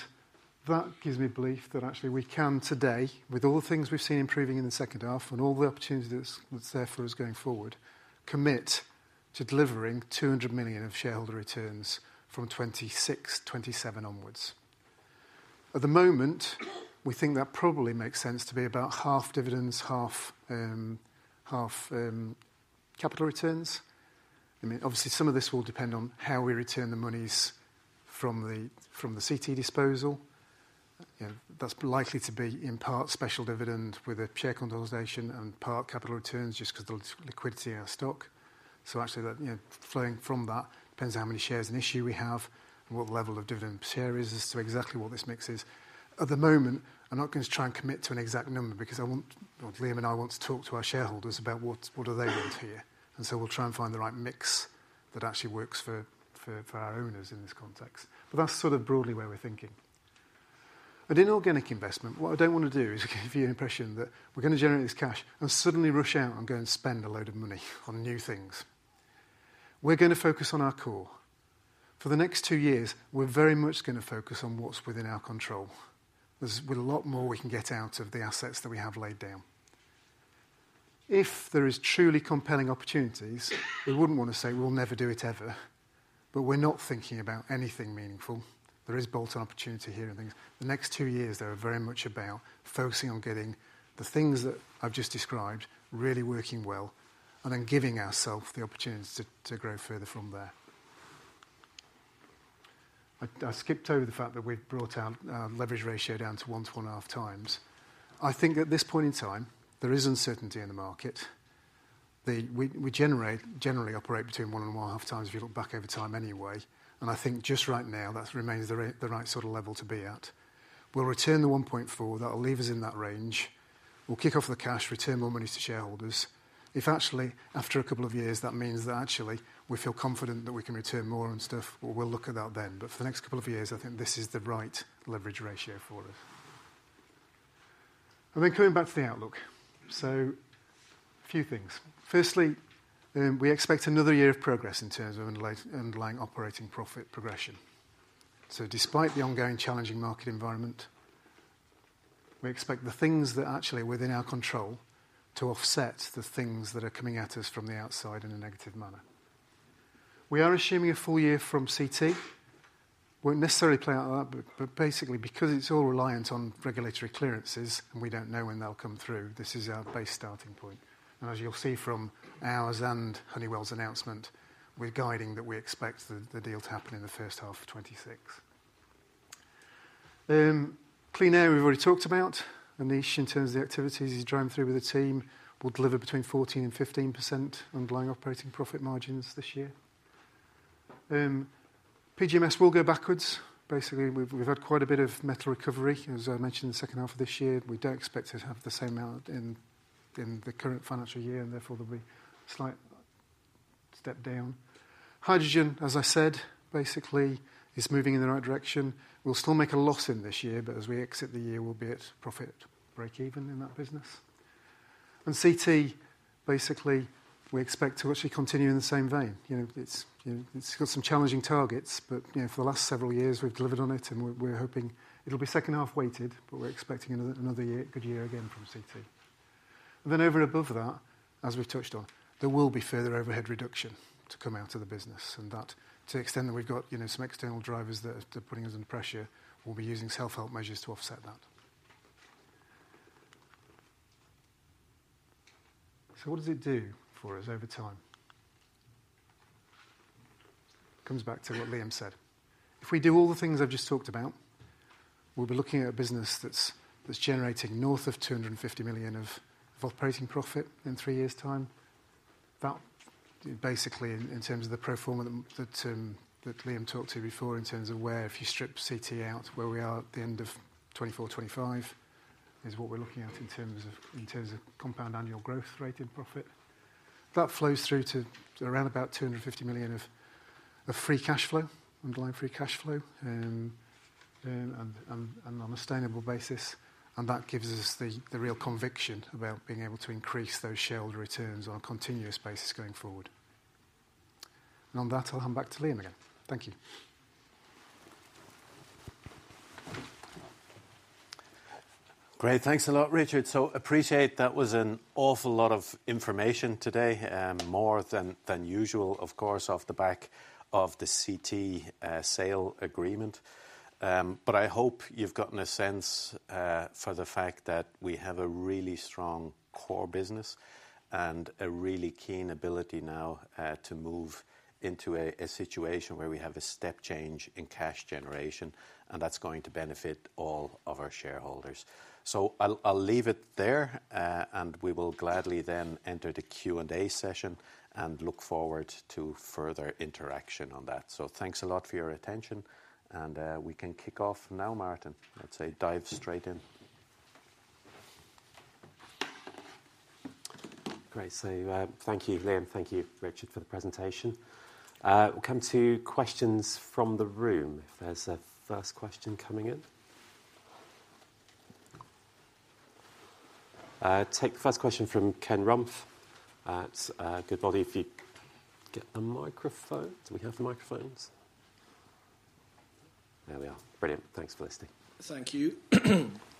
That gives me belief that actually we can today, with all the things we have seen improving in the second half and all the opportunities that are there for us going forward, commit to delivering 200 million of shareholder returns from 2026-2027 onwards. At the moment, we think that probably makes sense to be about half dividends, half capital returns. I mean, obviously some of this will depend on how we return the monies from the CT disposal. You know, that is likely to be in part special dividend with a share condensation and part capital returns just because of the liquidity in our stock. Actually, that, flowing from that, depends on how many shares in issue we have and what the level of dividend share is as to exactly what this mix is. At the moment, I'm not gonna try and commit to an exact number because I want, Liam and I want to talk to our shareholders about what, what do they want here. We'll try and find the right mix that actually works for our owners in this context. That's sort of broadly where we're thinking. In organic investment, what I don't wanna do is give you the impression that we're gonna generate this cash and suddenly rush out and go and spend a load of money on new things. We're gonna focus on our core. For the next two years, we're very much gonna focus on what's within our control. There's a lot more we can get out of the assets that we have laid down. If there is truly compelling opportunities, we would not wanna say we will never do it ever, but we are not thinking about anything meaningful. There is bolt-on opportunity here and things. The next two years are very much about focusing on getting the things that I have just described really working well and then giving ourself the opportunity to grow further from there. I skipped over the fact that we have brought our leverage ratio down to one to one and a half times. I think at this point in time, there is uncertainty in the market. We generally operate between one and one and a half times if you look back over time anyway. I think just right now that remains the right sort of level to be at. We will return the 1.4, that will leave us in that range. will kick off the cash, return more monies to shareholders. If actually after a couple of years, that means that actually we feel confident that we can return more and stuff, but we will look at that then. For the next couple of years, I think this is the right leverage ratio for us. Coming back to the outlook. A few things. Firstly, we expect another year of progress in terms of underlying operating profit progression. Despite the ongoing challenging market environment, we expect the things that actually are within our control to offset the things that are coming at us from the outside in a negative manner. We are assuming a full year from CT. We will not necessarily play out that, but basically because it is all reliant on regulatory clearances and we do not know when they will come through, this is our base starting point. As you will see from ours and Honeywell's announcement, we are guiding that we expect the deal to happen in the first half of 2026. Clean Air we have already talked about. Anish, in terms of the activities he is driving through with the team, will deliver between 14%-15% underlying operating profit margins this year. PGMs will go backwards. Basically, we have had quite a bit of metal recovery, as I mentioned, the second half of this year. We do not expect to have the same amount in the current financial year and therefore there will be a slight step down. Hydrogen, as I said, basically is moving in the right direction. We'll still make a loss in this year, but as we exit the year, we'll be at profit break even in that business. And CT, basically we expect to actually continue in the same vein. You know, it's, you know, it's got some challenging targets, but, you know, for the last several years we've delivered on it and we're hoping it'll be second half weighted, but we're expecting another good year again from CT. And then over and above that, as we've touched on, there will be further overhead reduction to come out of the business. And that to the extent that we've got, you know, some external drivers that are putting us under pressure, we'll be using self-help measures to offset that. So what does it do for us over time? Comes back to what Liam said. If we do all the things I've just talked about, we'll be looking at a business that's generating north of 250 million of operating profit in three years' time. That basically, in terms of the pro forma, the term that Liam talked to before in terms of where if you strip CT out, where we are at the end of 2024-2025 is what we're looking at in terms of compound annual growth rate in profit. That flows through to around about 250 million of free cash flow, underlying free cash flow, and on a sustainable basis. That gives us the real conviction about being able to increase those shareholder returns on a continuous basis going forward. On that, I'll hand back to Liam again. Thank you. Great. Thanks a lot, Richard. Appreciate that was an awful lot of information today, more than usual, of course, off the back of the CT sale agreement. I hope you've gotten a sense for the fact that we have a really strong core business and a really keen ability now to move into a situation where we have a step change in cash generation, and that's going to benefit all of our shareholders. I'll leave it there, and we will gladly then enter the Q&A session and look forward to further interaction on that. Thanks a lot for your attention. We can kick off now, Martin. Let's say dive straight in. Great. Thank you, Liam. Thank you, Richard, for the presentation. We'll come to questions from the room if there's a first question coming in. Take the first question from Ken Rumph at Goodbody. If you get a microphone, do we have the microphones? There we are. Brilliant. Thanks for listening. Thank you.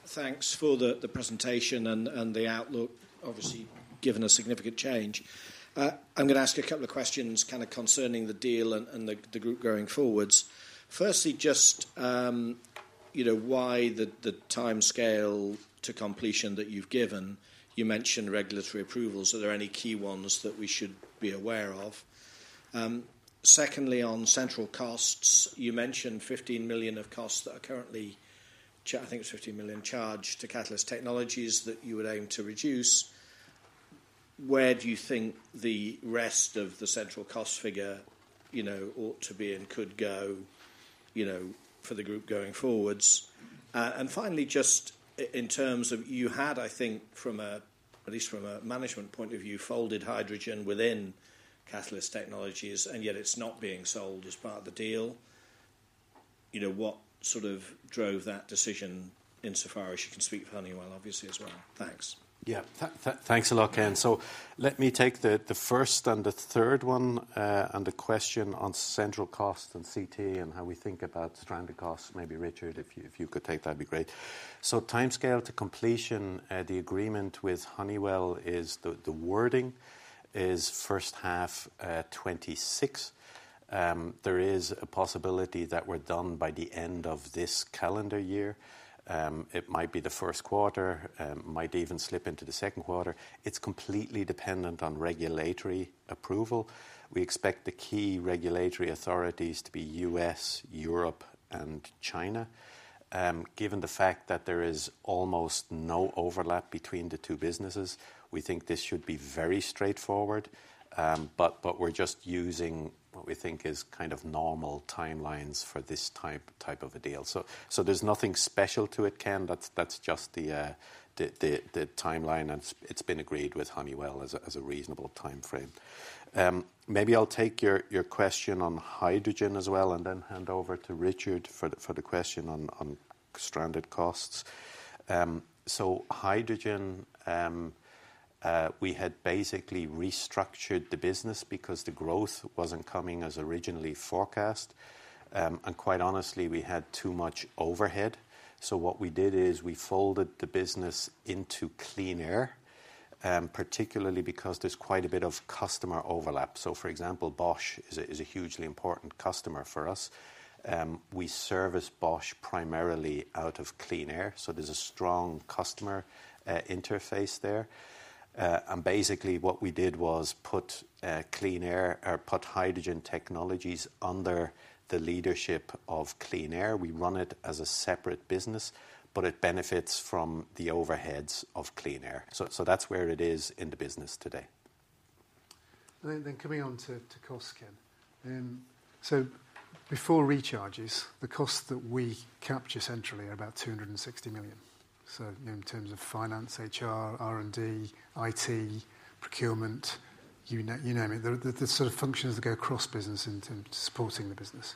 Thanks for the, the presentation and, and the outlook, obviously given a significant change. I'm gonna ask you a couple of questions kind of concerning the deal and, and the, the group going forwards. Firstly, just, you know, why the, the timescale to completion that you've given, you mentioned regulatory approvals. Are there any key ones that we should be aware of? Secondly, on central costs, you mentioned 15 million of costs that are currently, I think it's 15 million charged to Catalyst Technologies that you would aim to reduce. Where do you think the rest of the central cost figure, you know, ought to be and could go, you know, for the group going forwards? And finally, just in terms of you had, I think, from a, at least from a management point of view, folded hydrogen within Catalyst Technologies, and yet it is not being sold as part of the deal. You know, what sort of drove that decision insofar as you can speak for Honeywell, obviously as well? Thanks. Yeah. Thanks a lot, Ken. Let me take the first and the third one, and the question on central cost and CT and how we think about stranded costs. Maybe Richard, if you could take that, it would be great. Timescale to completion, the agreement with Honeywell is, the wording is first half, 2026. There is a possibility that we are done by the end of this calendar year. It might be the first quarter, might even slip into the second quarter. It is completely dependent on regulatory approval. We expect the key regulatory authorities to be U.S., Europe, and China. Given the fact that there is almost no overlap between the two businesses, we think this should be very straightforward. We are just using what we think is kind of normal timelines for this type of a deal. There is nothing special to it, Ken. That is just the timeline, and it has been agreed with Honeywell as a reasonable timeframe. Maybe I will take your question on hydrogen as well and then hand over to Richard for the question on stranded costs. Hydrogen, we had basically restructured the business because the growth was not coming as originally forecast. Quite honestly, we had too much overhead. What we did is we folded the business into Clean Air, particularly because there is quite a bit of customer overlap. For example, Bosch is a hugely important customer for us. We service Bosch primarily out of Clean Air. There is a strong customer interface there. Basically, what we did was put hydrogen technologies under the leadership of Clean Air. We run it as a separate business, but it benefits from the overheads of Clean Air. That is where it is in the business today. Then coming on to cost, Ken, before recharges, the costs that we capture centrally are about 260 million. In terms of finance, HR, R&D, IT, procurement, you name it, there are functions that go across business in terms of supporting the business.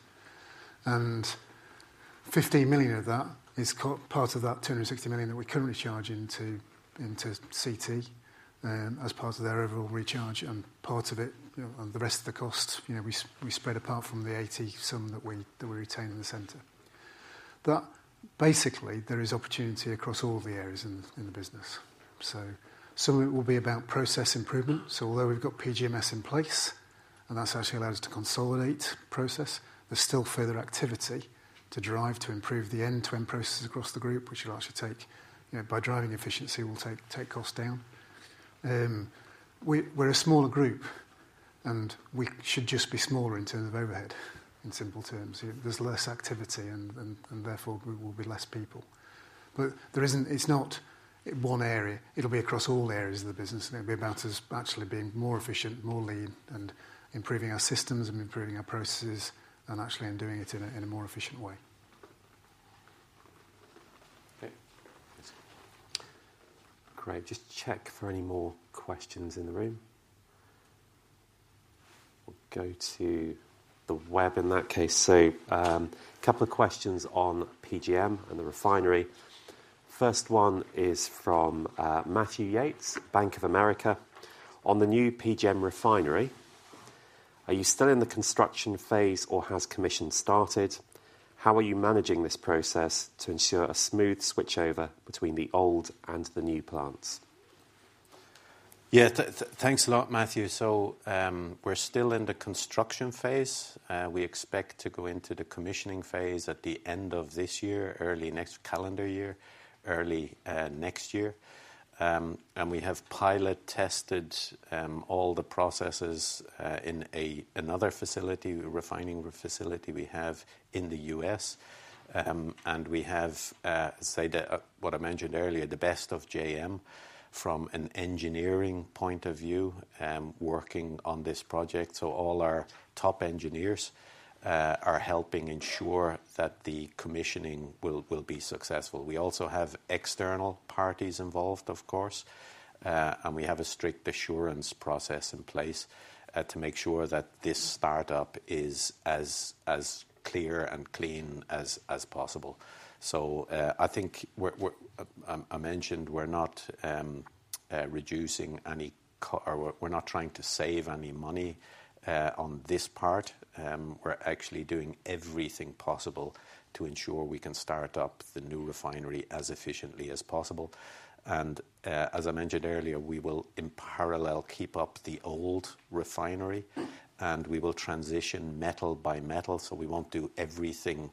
15 million of that is part of that 260 million that we currently charge into, into CT, as part of their overall recharge. Part of it, you know, and the rest of the cost, you know, we spread apart from the 80-some that we retain in the center. That basically there is opportunity across all the areas in the business. It will be about process improvement. Although we have PGMs in place and that has actually allowed us to consolidate process, there is still further activity to drive to improve the end-to-end processes across the group, which will actually take, you know, by driving efficiency, will take costs down. We are a smaller group and we should just be smaller in terms of overhead in simple terms. You know, there's less activity and, and therefore we will be less people. But there isn't, it's not one area. It'll be across all areas of the business and it'll be about us actually being more efficient, more lean, and improving our systems and improving our processes and actually in doing it in a, in a more efficient way. Okay. Great. Just check for any more questions in the room. We'll go to the web in that case. A couple of questions on PGM and the refinery. First one is from Matthew Yates, Bank of America. On the new PGM refinery, are you still in the construction phase or has commission started? How are you managing this process to ensure a smooth switchover between the old and the new plants? Yeah. Thanks a lot, Matthew. So, we're still in the construction phase. We expect to go into the commissioning phase at the end of this year, early next calendar year, early next year. We have pilot tested all the processes in another facility, refining facility we have in the U.S.. We have, as I mentioned earlier, the best of JM from an engineering point of view working on this project. All our top engineers are helping ensure that the commissioning will be successful. We also have external parties involved, of course. We have a strict assurance process in place to make sure that this startup is as clear and clean as possible. I think we're, I mentioned we're not reducing any cost or we're not trying to save any money on this part. We're actually doing everything possible to ensure we can start up the new refinery as efficiently as possible. As I mentioned earlier, we will in parallel keep up the old refinery and we will transition metal by metal. We will not do everything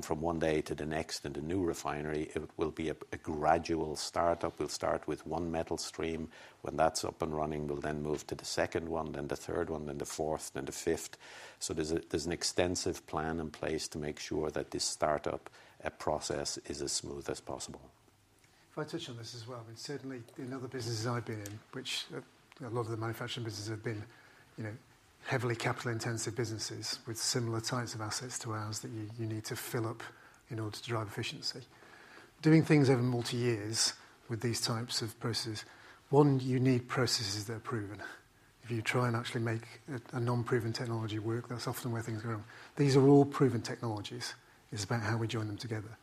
from one day to the next in the new refinery. It will be a gradual startup. We'll start with one metal stream. When that's up and running, we'll then move to the second one, then the third one, then the fourth, then the fifth. There is an extensive plan in place to make sure that this startup process is as smooth as possible. If I touch on this as well, I mean, certainly in other businesses I've been in, which a lot of the manufacturing businesses have been, you know, heavily capital-intensive businesses with similar types of assets to ours that you need to fill up in order to drive efficiency. Doing things over multi-years with these types of processes, one unique process is that they're proven. If you try and actually make a non-proven technology work, that's often where things go wrong. These are all proven technologies. It's about how we join them together.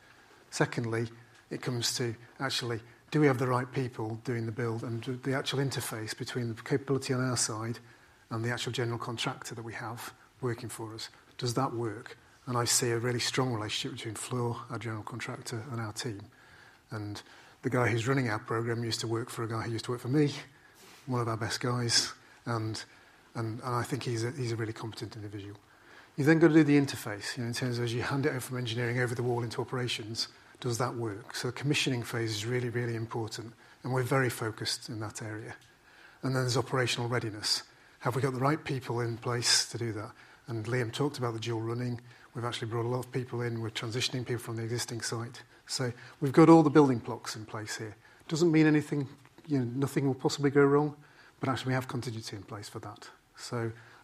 Secondly, it comes to actually, do we have the right people doing the build and the actual interface between the capability on our side and the actual general contractor that we have working for us? Does that work? I see a really strong relationship between Fluor, our general contractor, and our team. The guy who's running our program used to work for a guy who used to work for me, one of our best guys. I think he's a really competent individual. You then gotta do the interface, you know, in terms of as you hand it over from engineering over the wall into operations, does that work? The commissioning phase is really, really important, and we're very focused in that area. Then there's operational readiness. Have we got the right people in place to do that? Liam talked about the dual running. We've actually brought a lot of people in. We're transitioning people from the existing site. We've got all the building blocks in place here. Doesn't mean anything, you know, nothing will possibly go wrong, but actually we have contingency in place for that.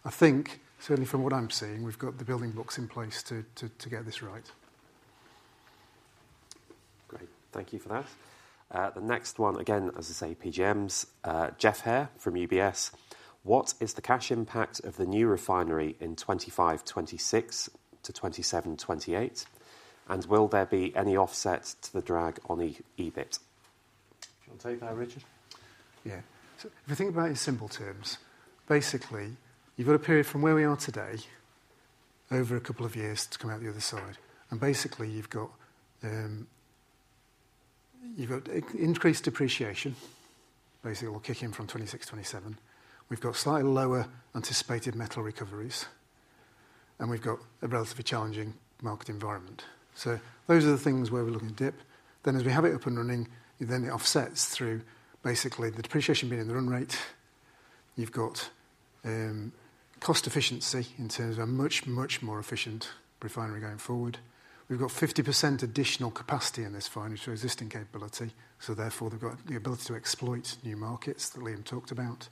I think certainly from what I'm seeing, we've got the building blocks in place to get this right. Great. Thank you for that. The next one, again, as I say, PGMs, Geoff Haire from UBS. What is the cash impact of the new refinery in 2025-2026 to 2027-2028? And will there be any offset to the drag on EBIT? I'll take that, Richard. Yeah. If you think about it in simple terms, basically you've got a period from where we are today over a couple of years to come out the other side. Basically you've got increased depreciation, which will kick in from 2026-2027. We've got slightly lower anticipated metal recoveries, and we've got a relatively challenging market environment. Those are the things where we're looking to dip. As we have it up and running, it offsets through basically the depreciation being in the run rate. You've got cost efficiency in terms of a much, much more efficient refinery going forward. We've got 50% additional capacity in this refinery to existing capability. Therefore, they've got the ability to exploit new markets that Liam talked about.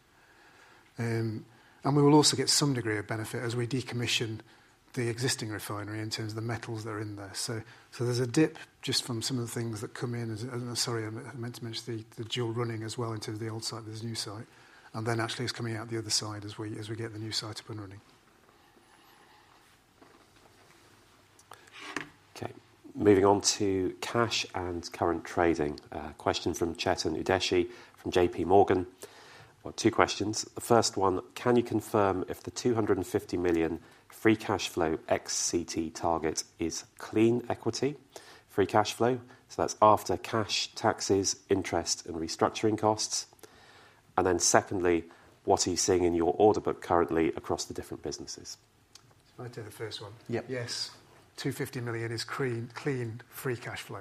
We will also get some degree of benefit as we decommission the existing refinery in terms of the metals that are in there. There's a dip just from some of the things that come in. I meant to mention the dual running as well in terms of the old site, there's a new site. Then actually it's coming out the other side as we get the new site up and running. Moving on to cash and current trading. Question from Chetan Udesi from JPMorgan. Two questions. The first one, can you confirm if the 250 million free cash flow ex CT target is clean equity free cash flow? That is after cash taxes, interest, and restructuring costs. Secondly, what are you seeing in your order book currently across the different businesses? I'll take the first one. Yes. 250 million is clean, clean free cash flow.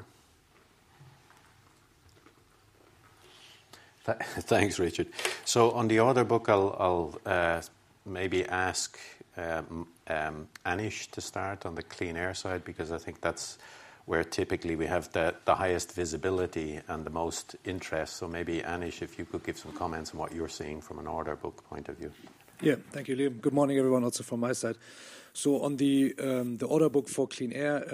Thanks, Richard. On the order book, I'll maybe ask Anish to start on the Clean Air side because I think that's where typically we have the highest visibility and the most interest. Maybe Anish, if you could give some comments on what you are seeing from an order book point of view. Yeah. Thank you, Liam. Good morning everyone also from my side. On the order book for Clean Air,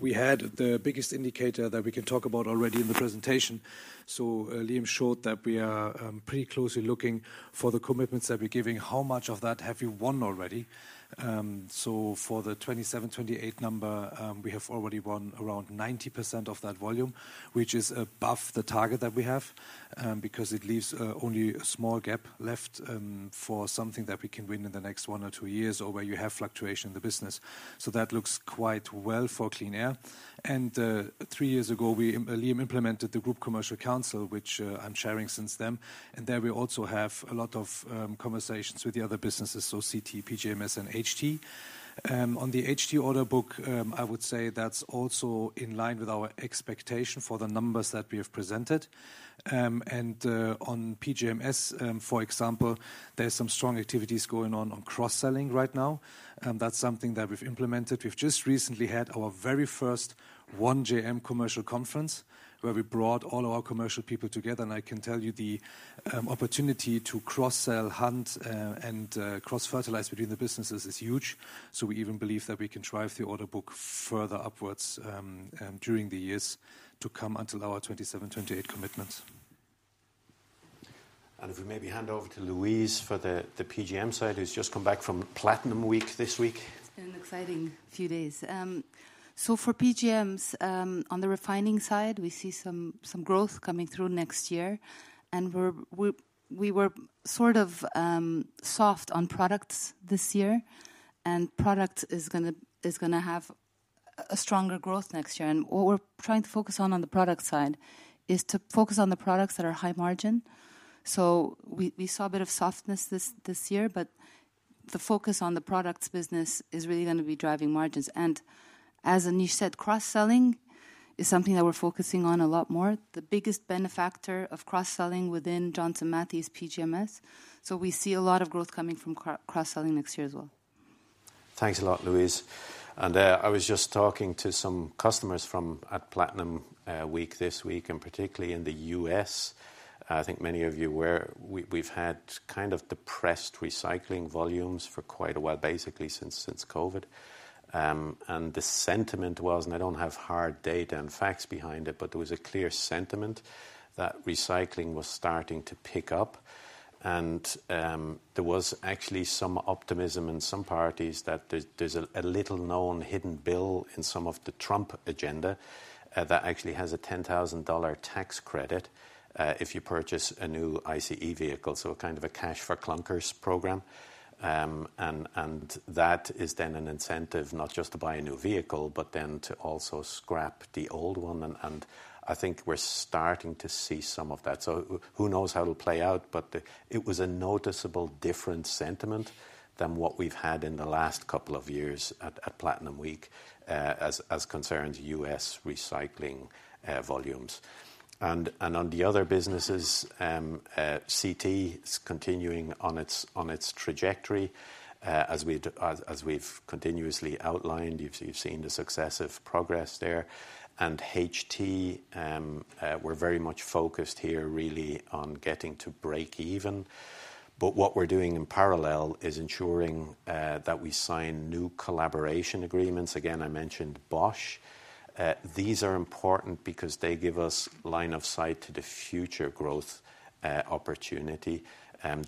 we had the biggest indicator that we can talk about already in the presentation. Liam showed that we are pretty closely looking for the commitments that we are giving. How much of that have you won already? For the 2027-2028 number, we have already won around 90% of that volume, which is above the target that we have, because it leaves only a small gap left for something that we can win in the next one or two years or where you have fluctuation in the business. That looks quite well for Clean Air. Three years ago, Liam implemented the Group Commercial Council, which I am chairing since then. There we also have a lot of conversations with the other businesses, so CT, PGMs, and HT. On the HT order book, I would say that's also in line with our expectation for the numbers that we have presented. On PGMs, for example, there's some strong activities going on on cross-selling right now. That's something that we've implemented. We've just recently had our very first one JM commercial conference where we brought all of our commercial people together. I can tell you the opportunity to cross-sell, hunt, and cross-fertilize between the businesses is huge. We even believe that we can drive the order book further upwards during the years to come until our 2027-2028 commitments. If we maybe hand over to Louise for the PGM side, who's just come back from Platinum Week this week. It's been an exciting few days. For PGMs, on the refining side, we see some growth coming through next year. We're, we were sort of soft on products this year. Product is gonna have a stronger growth next year. What we're trying to focus on, on the product side, is to focus on the products that are high margin. We saw a bit of softness this year, but the focus on the products business is really gonna be driving margins. As Anish said, cross-selling is something that we're focusing on a lot more. The biggest benefactor of cross-selling within Johnson Matthey is PGMs. We see a lot of growth coming from cross-selling next year as well. Thanks a lot, Louise. I was just talking to some customers at Platinum Week this week, and particularly in the U.S.. I think many of you were, we, we've had kind of depressed recycling volumes for quite a while, basically since, since COVID. The sentiment was, and I don't have hard data and facts behind it, but there was a clear sentiment that recycling was starting to pick up. There was actually some optimism in some parties that there's a little known hidden bill in some of the Trump agenda that actually has a $10,000 tax credit if you purchase a new ICE vehicle, kind of a cash for clunkers program. That is then an incentive not just to buy a new vehicle, but then to also scrap the old one. I think we're starting to see some of that. Who knows how it'll play out? It was a noticeable different sentiment than what we've had in the last couple of years at Platinum Week, as concerns U.S. recycling volumes. On the other businesses, CT is continuing on its trajectory, as we've continuously outlined. You've seen the successive progress there. HT, we're very much focused here really on getting to break even. What we're doing in parallel is ensuring that we sign new collaboration agreements. Again, I mentioned Bosch. These are important because they give us line of sight to the future growth opportunity.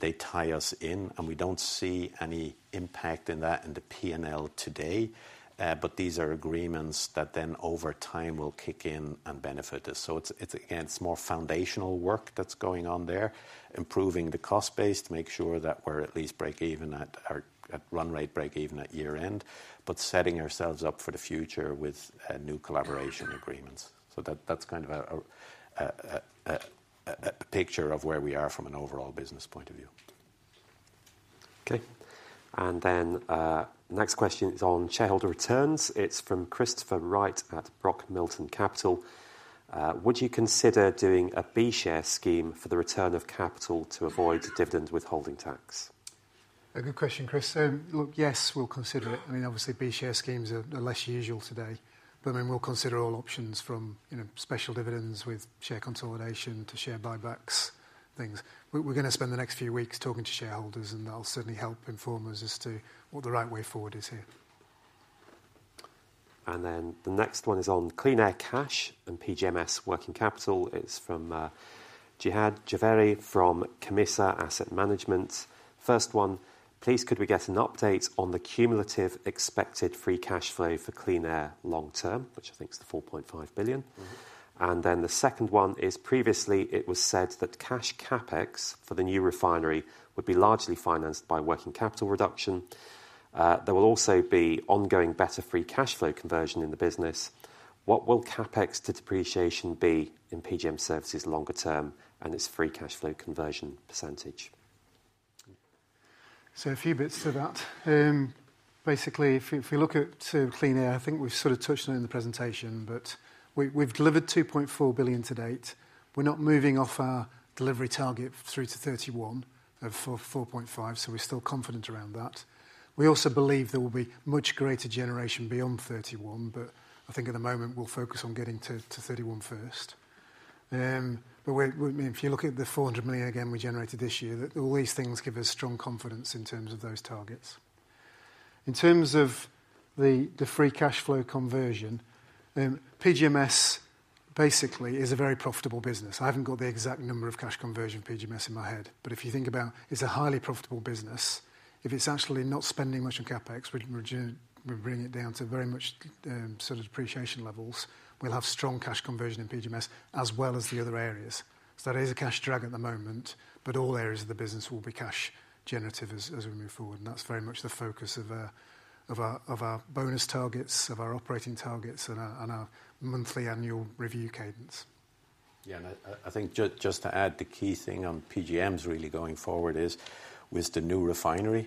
They tie us in and we don't see any impact in that in the P&L today, but these are agreements that then over time will kick in and benefit us. It's again, it's more foundational work that's going on there, improving the cost base to make sure that we're at least break even at our run rate, break even at year end, but setting ourselves up for the future with new collaboration agreements. That's kind of a picture of where we are from an overall business point of view. Okay. Next question is on shareholder returns. It's from Christopher Wright at Brock Milton Capital. Would you consider doing a B share scheme for the return of capital to avoid dividend withholding tax? A good question, Chris. Yes, we'll consider it. I mean, obviously B share schemes are less usual today, but we'll consider all options from special dividends with share consolidation to share buybacks, things. We're gonna spend the next few weeks talking to shareholders and that'll certainly help inform us as to what the right way forward is here. The next one is on Clean Air cash and PGMs working capital. It's from Jihad Jhaveri from Camissa Asset Management. First one, please, could we get an update on the cumulative expected free cash flow for Clean Air long term, which I think is the 4.5 billion? The second one is previously it was said that cash CapEx for the new refinery would be largely financed by working capital reduction. There will also be ongoing better free cash flow conversion in the business. What will CapEx to depreciation be in PGM Services longer term and its free cash flow conversion percentage? So a few bits to that. Basically if, if we look at Clean Air, I think we've sort of touched on it in the presentation, but we, we've delivered 2.4 billion to date. We're not moving off our delivery target through to 2031 of 4.5 billion. We are still confident around that. We also believe there will be much greater generation beyond 2031, but I think at the moment we'll focus on getting to 2031 first. I mean, if you look at the 400 million again, we generated this year, all these things give us strong confidence in terms of those targets. In terms of the free cash flow conversion, PGMs basically is a very profitable business. I have not got the exact number of cash conversion PGMs in my head, but if you think about it, it's a highly profitable business. If it's actually not spending much on CapEx, we're bringing it down to very much, sort of depreciation levels. We'll have strong cash conversion in PGMs as well as the other areas. That is a cash drag at the moment, but all areas of the business will be cash generative as we move forward. That is very much the focus of our bonus targets, of our operating targets, and our monthly annual review cadence. Yeah. I think just to add, the key thing on PGMs really going forward is with the new refinery,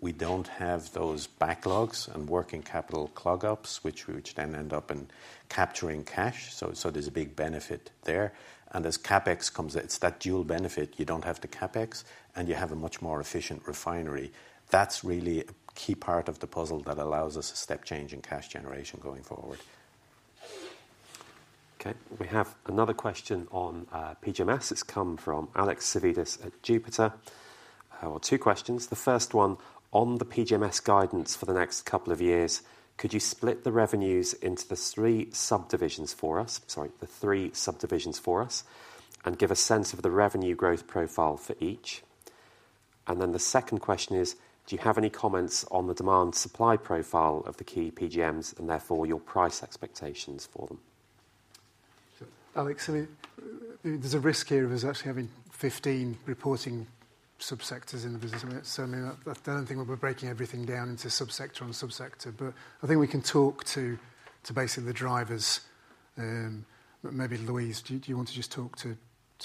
we don't have those backlogs and working capital clog ups, which then end up in capturing cash. There is a big benefit there. As CapEx comes, it's that dual benefit. You do not have the CapEx and you have a much more efficient refinery. That is really a key part of the puzzle that allows us a step change in cash generation going forward. Okay. We have another question on PGMs. It has come from Alex Savvides at Jupiter. Two questions. The first one on the PGMs guidance for the next couple of years, could you split the revenues into the three subdivisions for us? Sorry, the three subdivisions for us and give a sense of the revenue growth profile for each. The second question is, do you have any comments on the demand supply profile of the key PGMs and therefore your price expectations for them? Alex, I mean, there is a risk here of us actually having 15 reporting subsectors in the business. I mean, certainly that, I don't think we'll be breaking everything down into subsector on subsector, but I think we can talk to basically the drivers. Maybe Louise, do you want to just talk to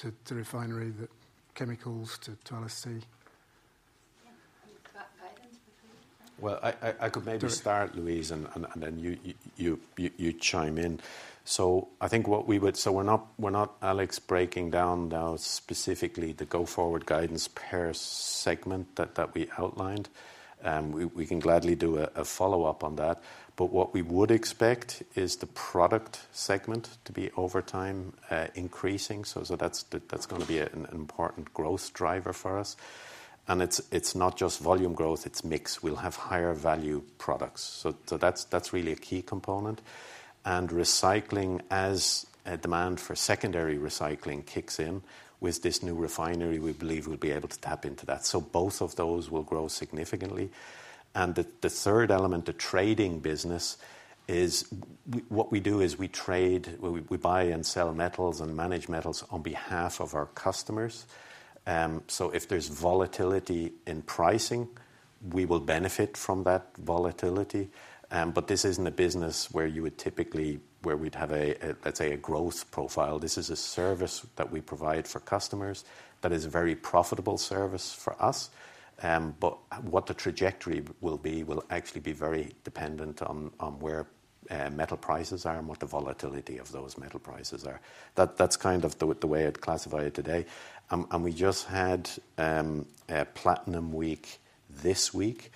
the refinery, the chemicals, to LST? Yeah. That guidance before, I could maybe start, Louise, and then you chime in. I think what we would, we're not, we're not, Alex, breaking down now specifically the go forward guidance per segment that we outlined. We can gladly do a follow up on that. What we would expect is the product segment to be, over time, increasing. That's going to be an important growth driver for us. It's not just volume growth, it's mix. We'll have higher value products. That's really a key component. And recycling, as demand for secondary recycling kicks in with this new refinery, we believe we'll be able to tap into that. Both of those will grow significantly. The third element, the trading business, is we trade, we buy and sell metals and manage metals on behalf of our customers. If there's volatility in pricing, we will benefit from that volatility. This is not a business where you would typically have a, let's say, a growth profile. This is a service that we provide for customers that is a very profitable service for us. What the trajectory will be will actually be very dependent on where metal prices are and what the volatility of those metal prices are. That, that's kind of the way I'd classify it today. We just had Platinum Week this week.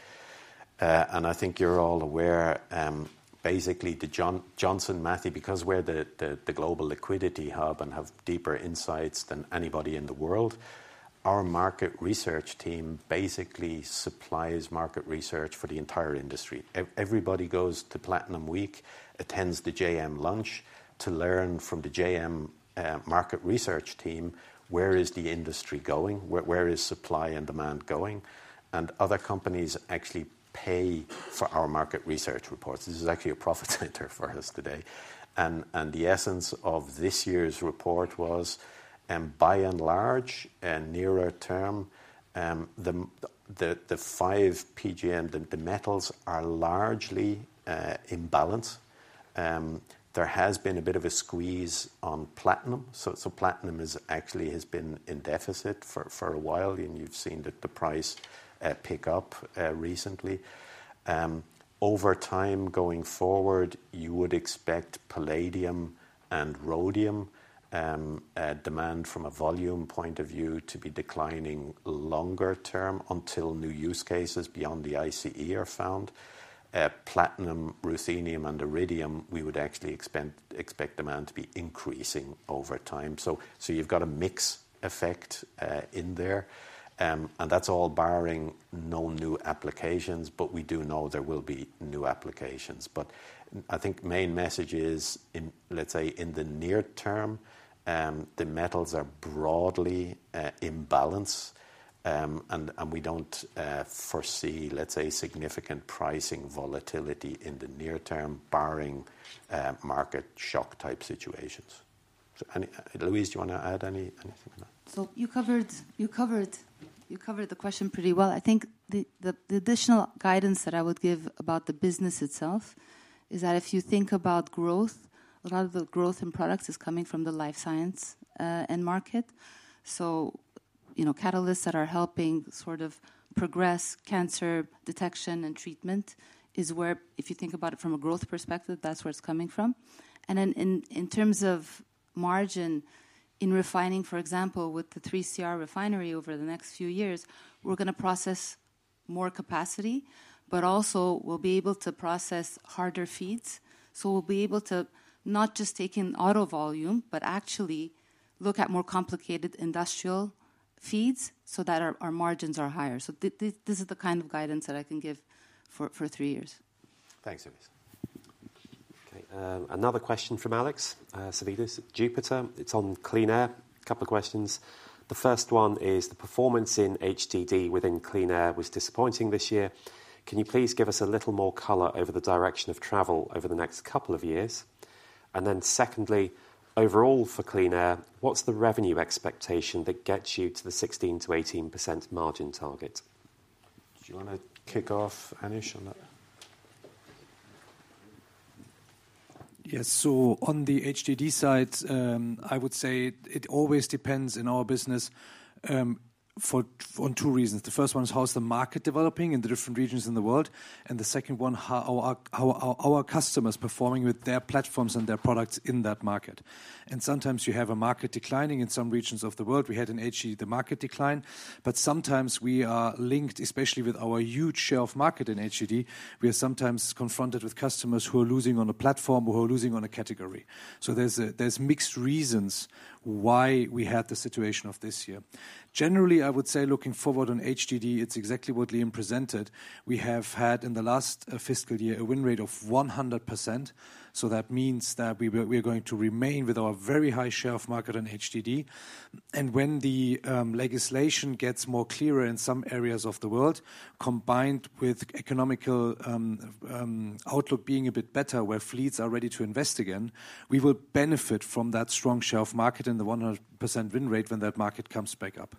I think you're all aware, basically Johnson Matthey, because we're the global liquidity hub and have deeper insights than anybody in the world. Our market research team basically supplies market research for the entire industry. Everybody goes to Platinum Week, attends the JM lunch to learn from the JM market research team. Where is the industry going? Where is supply and demand going? Other companies actually pay for our market research reports. This is actually a profit center for us today. The essence of this year's report was, by and large, nearer term, the five PGM, the metals are largely in balance. There has been a bit of a squeeze on platinum. Platinum has actually been in deficit for a while, and you've seen that the price pick up recently. Over time going forward, you would expect palladium and rhodium demand from a volume point of view to be declining longer term until new use cases beyond the ICE are found. Platinum, ruthenium, and iridium, we would actually expect demand to be increasing over time. You've got a mix effect in there, and that's all barring no new applications, but we do know there will be new applications. I think the main message is, in the near term, the metals are broadly in balance, and we do not foresee, let's say, significant pricing volatility in the near term, barring market shock type situations. Louise, do you want to add anything on that? You covered the question pretty well. I think the additional guidance that I would give about the business itself is that if you think about growth, a lot of the growth in products is coming from the life science and market. You know, catalysts that are helping sort of progress cancer detection and treatment is where, if you think about it from a growth perspective, that's where it's coming from. In terms of margin in refining, for example, with the three CR refinery over the next few years, we're gonna process more capacity, but also we'll be able to process harder feeds. We'll be able to not just take in auto volume, but actually look at more complicated industrial feeds so that our margins are higher. This is the kind of guidance that I can give for three years. Thanks, Louise. Okay, another question from Alex Savvides, Jupiter. It is on clean air. Couple of questions. The first one is the performance in HDD within clean air was disappointing this year. Can you please give us a little more color over the direction of travel over the next couple of years? And then secondly, overall for clean air, what is the revenue expectation that gets you to the 16%-18% margin target? Do you wanna kick off, Anish, on that? Yeah. On the HDD side, I would say it always depends in our business for two reasons. The first one is how is the market developing in the different regions in the world. The second one, how our customers are performing with their platforms and their products in that market. Sometimes you have a market declining in some regions of the world. We had in HDD the market decline, but sometimes we are linked, especially with our huge share of market in HDD, we are sometimes confronted with customers who are losing on a platform, who are losing on a category. There are mixed reasons why we had the situation of this year. Generally, I would say looking forward on HDD, it is exactly what Liam presented. We have had in the last fiscal year a win rate of 100%. That means that we are going to remain with our very high share of market on HDD. When the legislation gets more clear in some areas of the world, combined with the economic outlook being a bit better, where fleets are ready to invest again, we will benefit from that strong share of market and the 100% win rate when that market comes back up.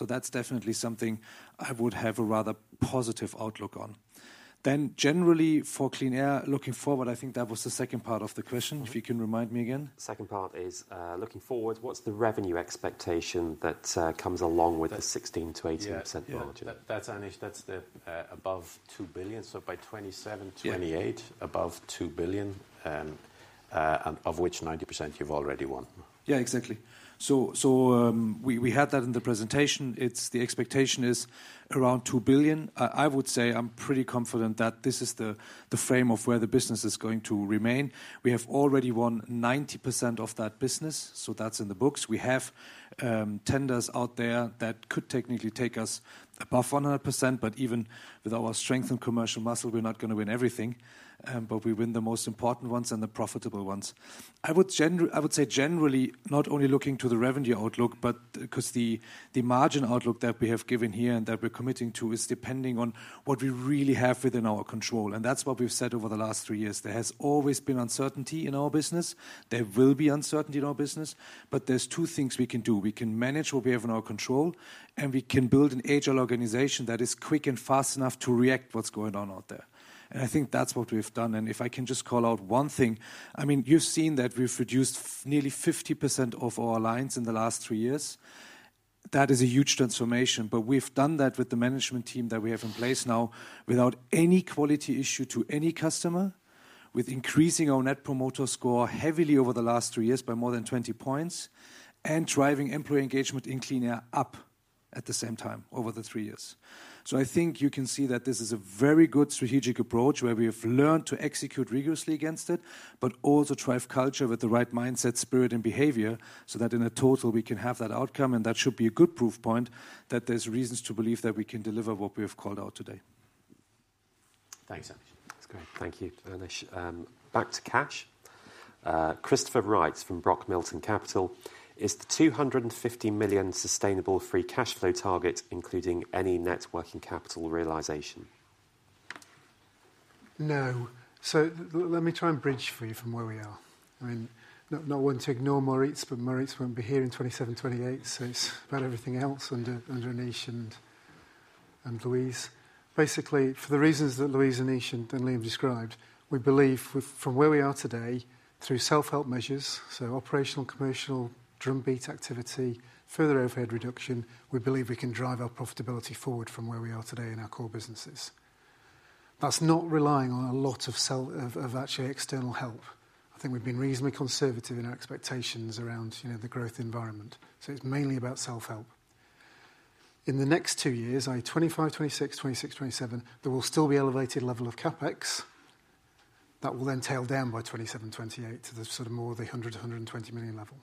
That is definitely something I would have a rather positive outlook on. Generally for Clean Air looking forward, I think that was the second part of the question. If you can remind me again. Second part is, looking forward, what is the revenue expectation that comes along with the 16%-18% margin? Yeah. That is Anish, that is the above 2 billion. By 2027-2028, above 2 billion, and of which 90% you have already won. Yeah, exactly. We had that in the presentation. The expectation is around 2 billion. I would say I'm pretty confident that this is the frame of where the business is going to remain. We have already won 90% of that business, so that's in the books. We have tenders out there that could technically take us above 100%, but even with our strength and commercial muscle, we're not gonna win everything. We win the most important ones and the profitable ones. I would say generally not only looking to the revenue outlook, but 'cause the margin outlook that we have given here and that we're committing to is depending on what we really have within our control. That's what we've said over the last three years. There has always been uncertainty in our business. There will be uncertainty in our business, but there are two things we can do. We can manage what we have in our control and we can build an agile organization that is quick and fast enough to react to what's going on out there. I think that's what we've done. If I can just call out one thing, I mean, you've seen that we've reduced nearly 50% of our lines in the last three years. That is a huge transformation, but we've done that with the management team that we have in place now without any quality issue to any customer, with increasing our net promoter score heavily over the last three years by more than 20 points and driving employee engagement in clean air up at the same time over the three years. I think you can see that this is a very good strategic approach where we have learned to execute rigorously against it, but also drive culture with the right mindset, spirit, and behavior so that in total we can have that outcome. That should be a good proof point that there are reasons to believe that we can deliver what we have called out today. Thanks, Anish. That's great. Thank you, Anish. Back to cash. Christopher Wright from Brock Milton Capital. Is the 250 million sustainable free cash flow target including any net working capital realization? No. Let me try and bridge for you from where we are. I mean, not, not wanting to ignore Maurits, but Maurits will not be here in 2027-2028. It is about everything else under Anish and Louise. Basically, for the reasons that Louise, Anish, and Liam described, we believe from where we are today through self-help measures, so operational, commercial, drumbeat activity, further overhead reduction, we believe we can drive our profitability forward from where we are today in our core businesses. That's not relying on a lot of actually external help. I think we've been reasonably conservative in our expectations around, you know, the growth environment. So it's mainly about self-help. In the next two years, i.e., 2025-2026, 2026-2027, there will still be elevated level of CapEx that will then tail down by 2027-2028 to the sort of more of the 100 million-120 million level.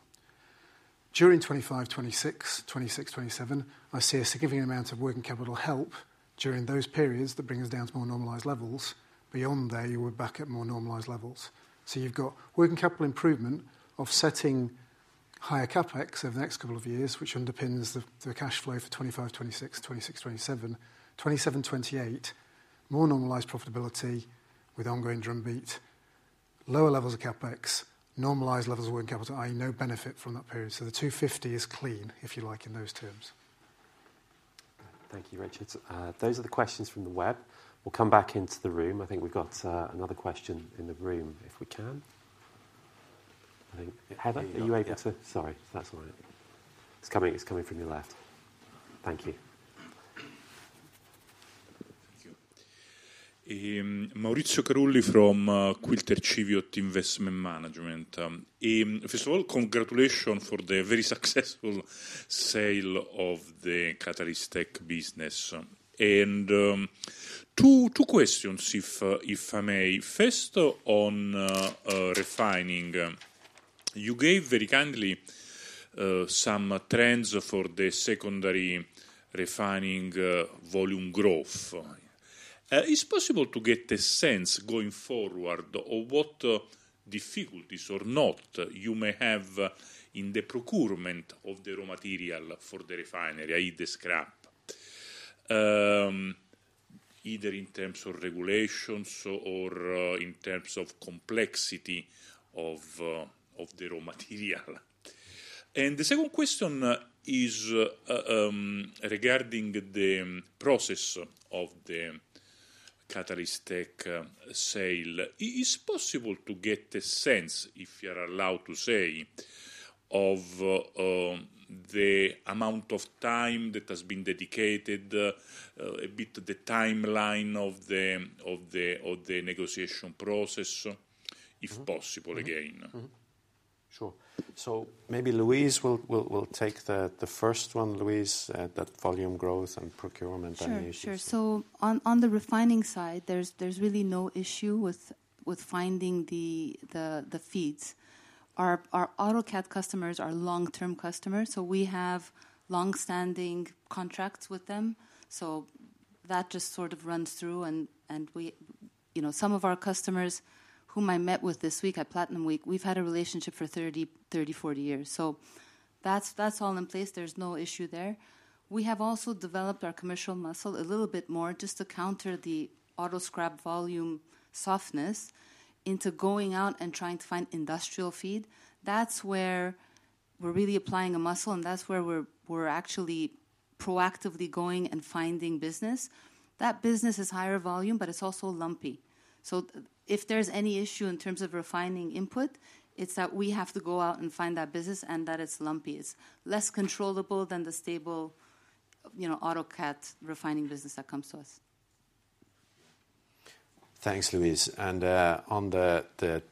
During 2025-2026, 2026-2027, I see a significant amount of working capital help during those periods that brings us down to more normalized levels. Beyond there, you are back at more normalized levels. You have got working capital improvement of setting higher CapEx over the next couple of years, which underpins the cash flow for 2025-2026, 2026-2027, 2027-2028, more normalized profitability with ongoing drumbeat, lower levels of CapEx, normalized levels of working capital, i.e., no benefit from that period. The 250 is clean, if you like, in those terms. Thank you, Richard. Those are the questions from the web. We will come back into the room. I think we have got another question in the room if we can. I think Heather, are you able to? Sorry, that is all right. It is coming, it is coming from your left. Thank you. Thank you. Maurizio Carulli from Quilter Cheviot Investment Management. First of all, congratulations for the very successful sale of the Catalyst Tech business. And, two, two questions, if I may. First on refining, you gave very kindly some trends for the secondary refining volume growth. Is it possible to get a sense going forward of what difficulties or not you may have in the procurement of the raw material for the refinery, i.e., the scrap, either in terms of regulations or in terms of complexity of the raw material? The second question is regarding the process of the Catalyst Tech sale. Is it possible to get a sense, if you are allowed to say, of the amount of time that has been dedicated, a bit the timeline of the negotiation process, if possible again? Sure. Maybe Louise will take the first one, Louise, that volume growth and procurement. Sure. On the refining side, there is really no issue with finding the feeds. Our AutoCat customers are long-term customers, so we have long-standing contracts with them. That just sort of runs through and, you know, some of our customers whom I met with this week at Platinum Week, we've had a relationship for 30, 30-40 years. That's all in place. There's no issue there. We have also developed our commercial muscle a little bit more just to counter the auto scrap volume softness into going out and trying to find industrial feed. That's where we're really applying a muscle, and that's where we're actually proactively going and finding business. That business is higher volume, but it's also lumpy. If there's any issue in terms of refining input, it's that we have to go out and find that business and that it's lumpy. It's less controllable than the stable, you know, AutoCAD refining business that comes to us. Thanks, Louise. On the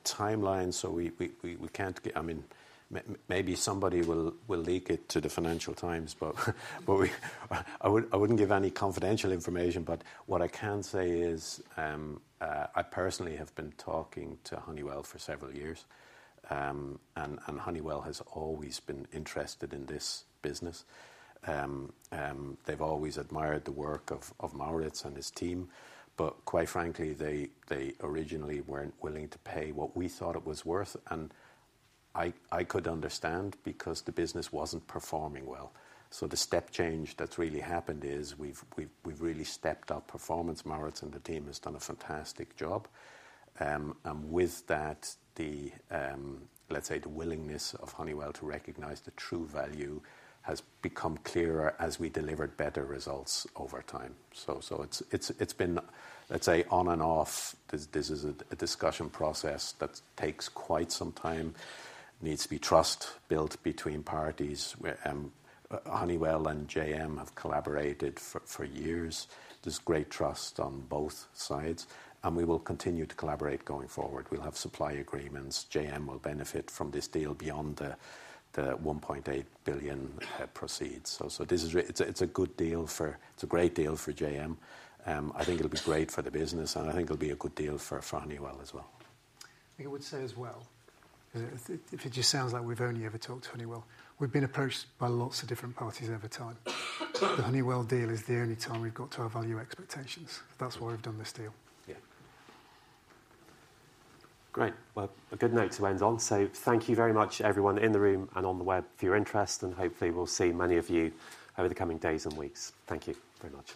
timeline, we can't get, I mean, maybe somebody will leak it to the Financial Times, but I wouldn't give any confidential information. What I can say is, I personally have been talking to Honeywell for several years, and Honeywell has always been interested in this business. They've always admired the work of Maurits and his team, but quite frankly, they originally weren't willing to pay what we thought it was worth. I could understand because the business wasn't performing well. The step change that's really happened is we've really stepped up performance. Maurits and the team has done a fantastic job. With that, the willingness of Honeywell to recognize the true value has become clearer as we delivered better results over time. It has been, let's say, on and off. This is a discussion process that takes quite some time and needs to be trust built between parties. Honeywell and JM have collaborated for years. There is great trust on both sides, and we will continue to collaborate going forward. We will have supply agreements. JM will benefit from this deal beyond the 1.8 billion proceeds. This is a good deal for JM. I think it will be great for the business, and I think it will be a good deal for Honeywell as well. I think I would say as well, if it just sounds like we've only ever talked to Honeywell, we've been approached by lots of different parties over time. The Honeywell deal is the only time we've got to our value expectations. That's why we've done this deal. Great. A good note to end on. Thank you very much, everyone in the room and on the web for your interest, and hopefully we'll see many of you over the coming days and weeks. Thank you very much.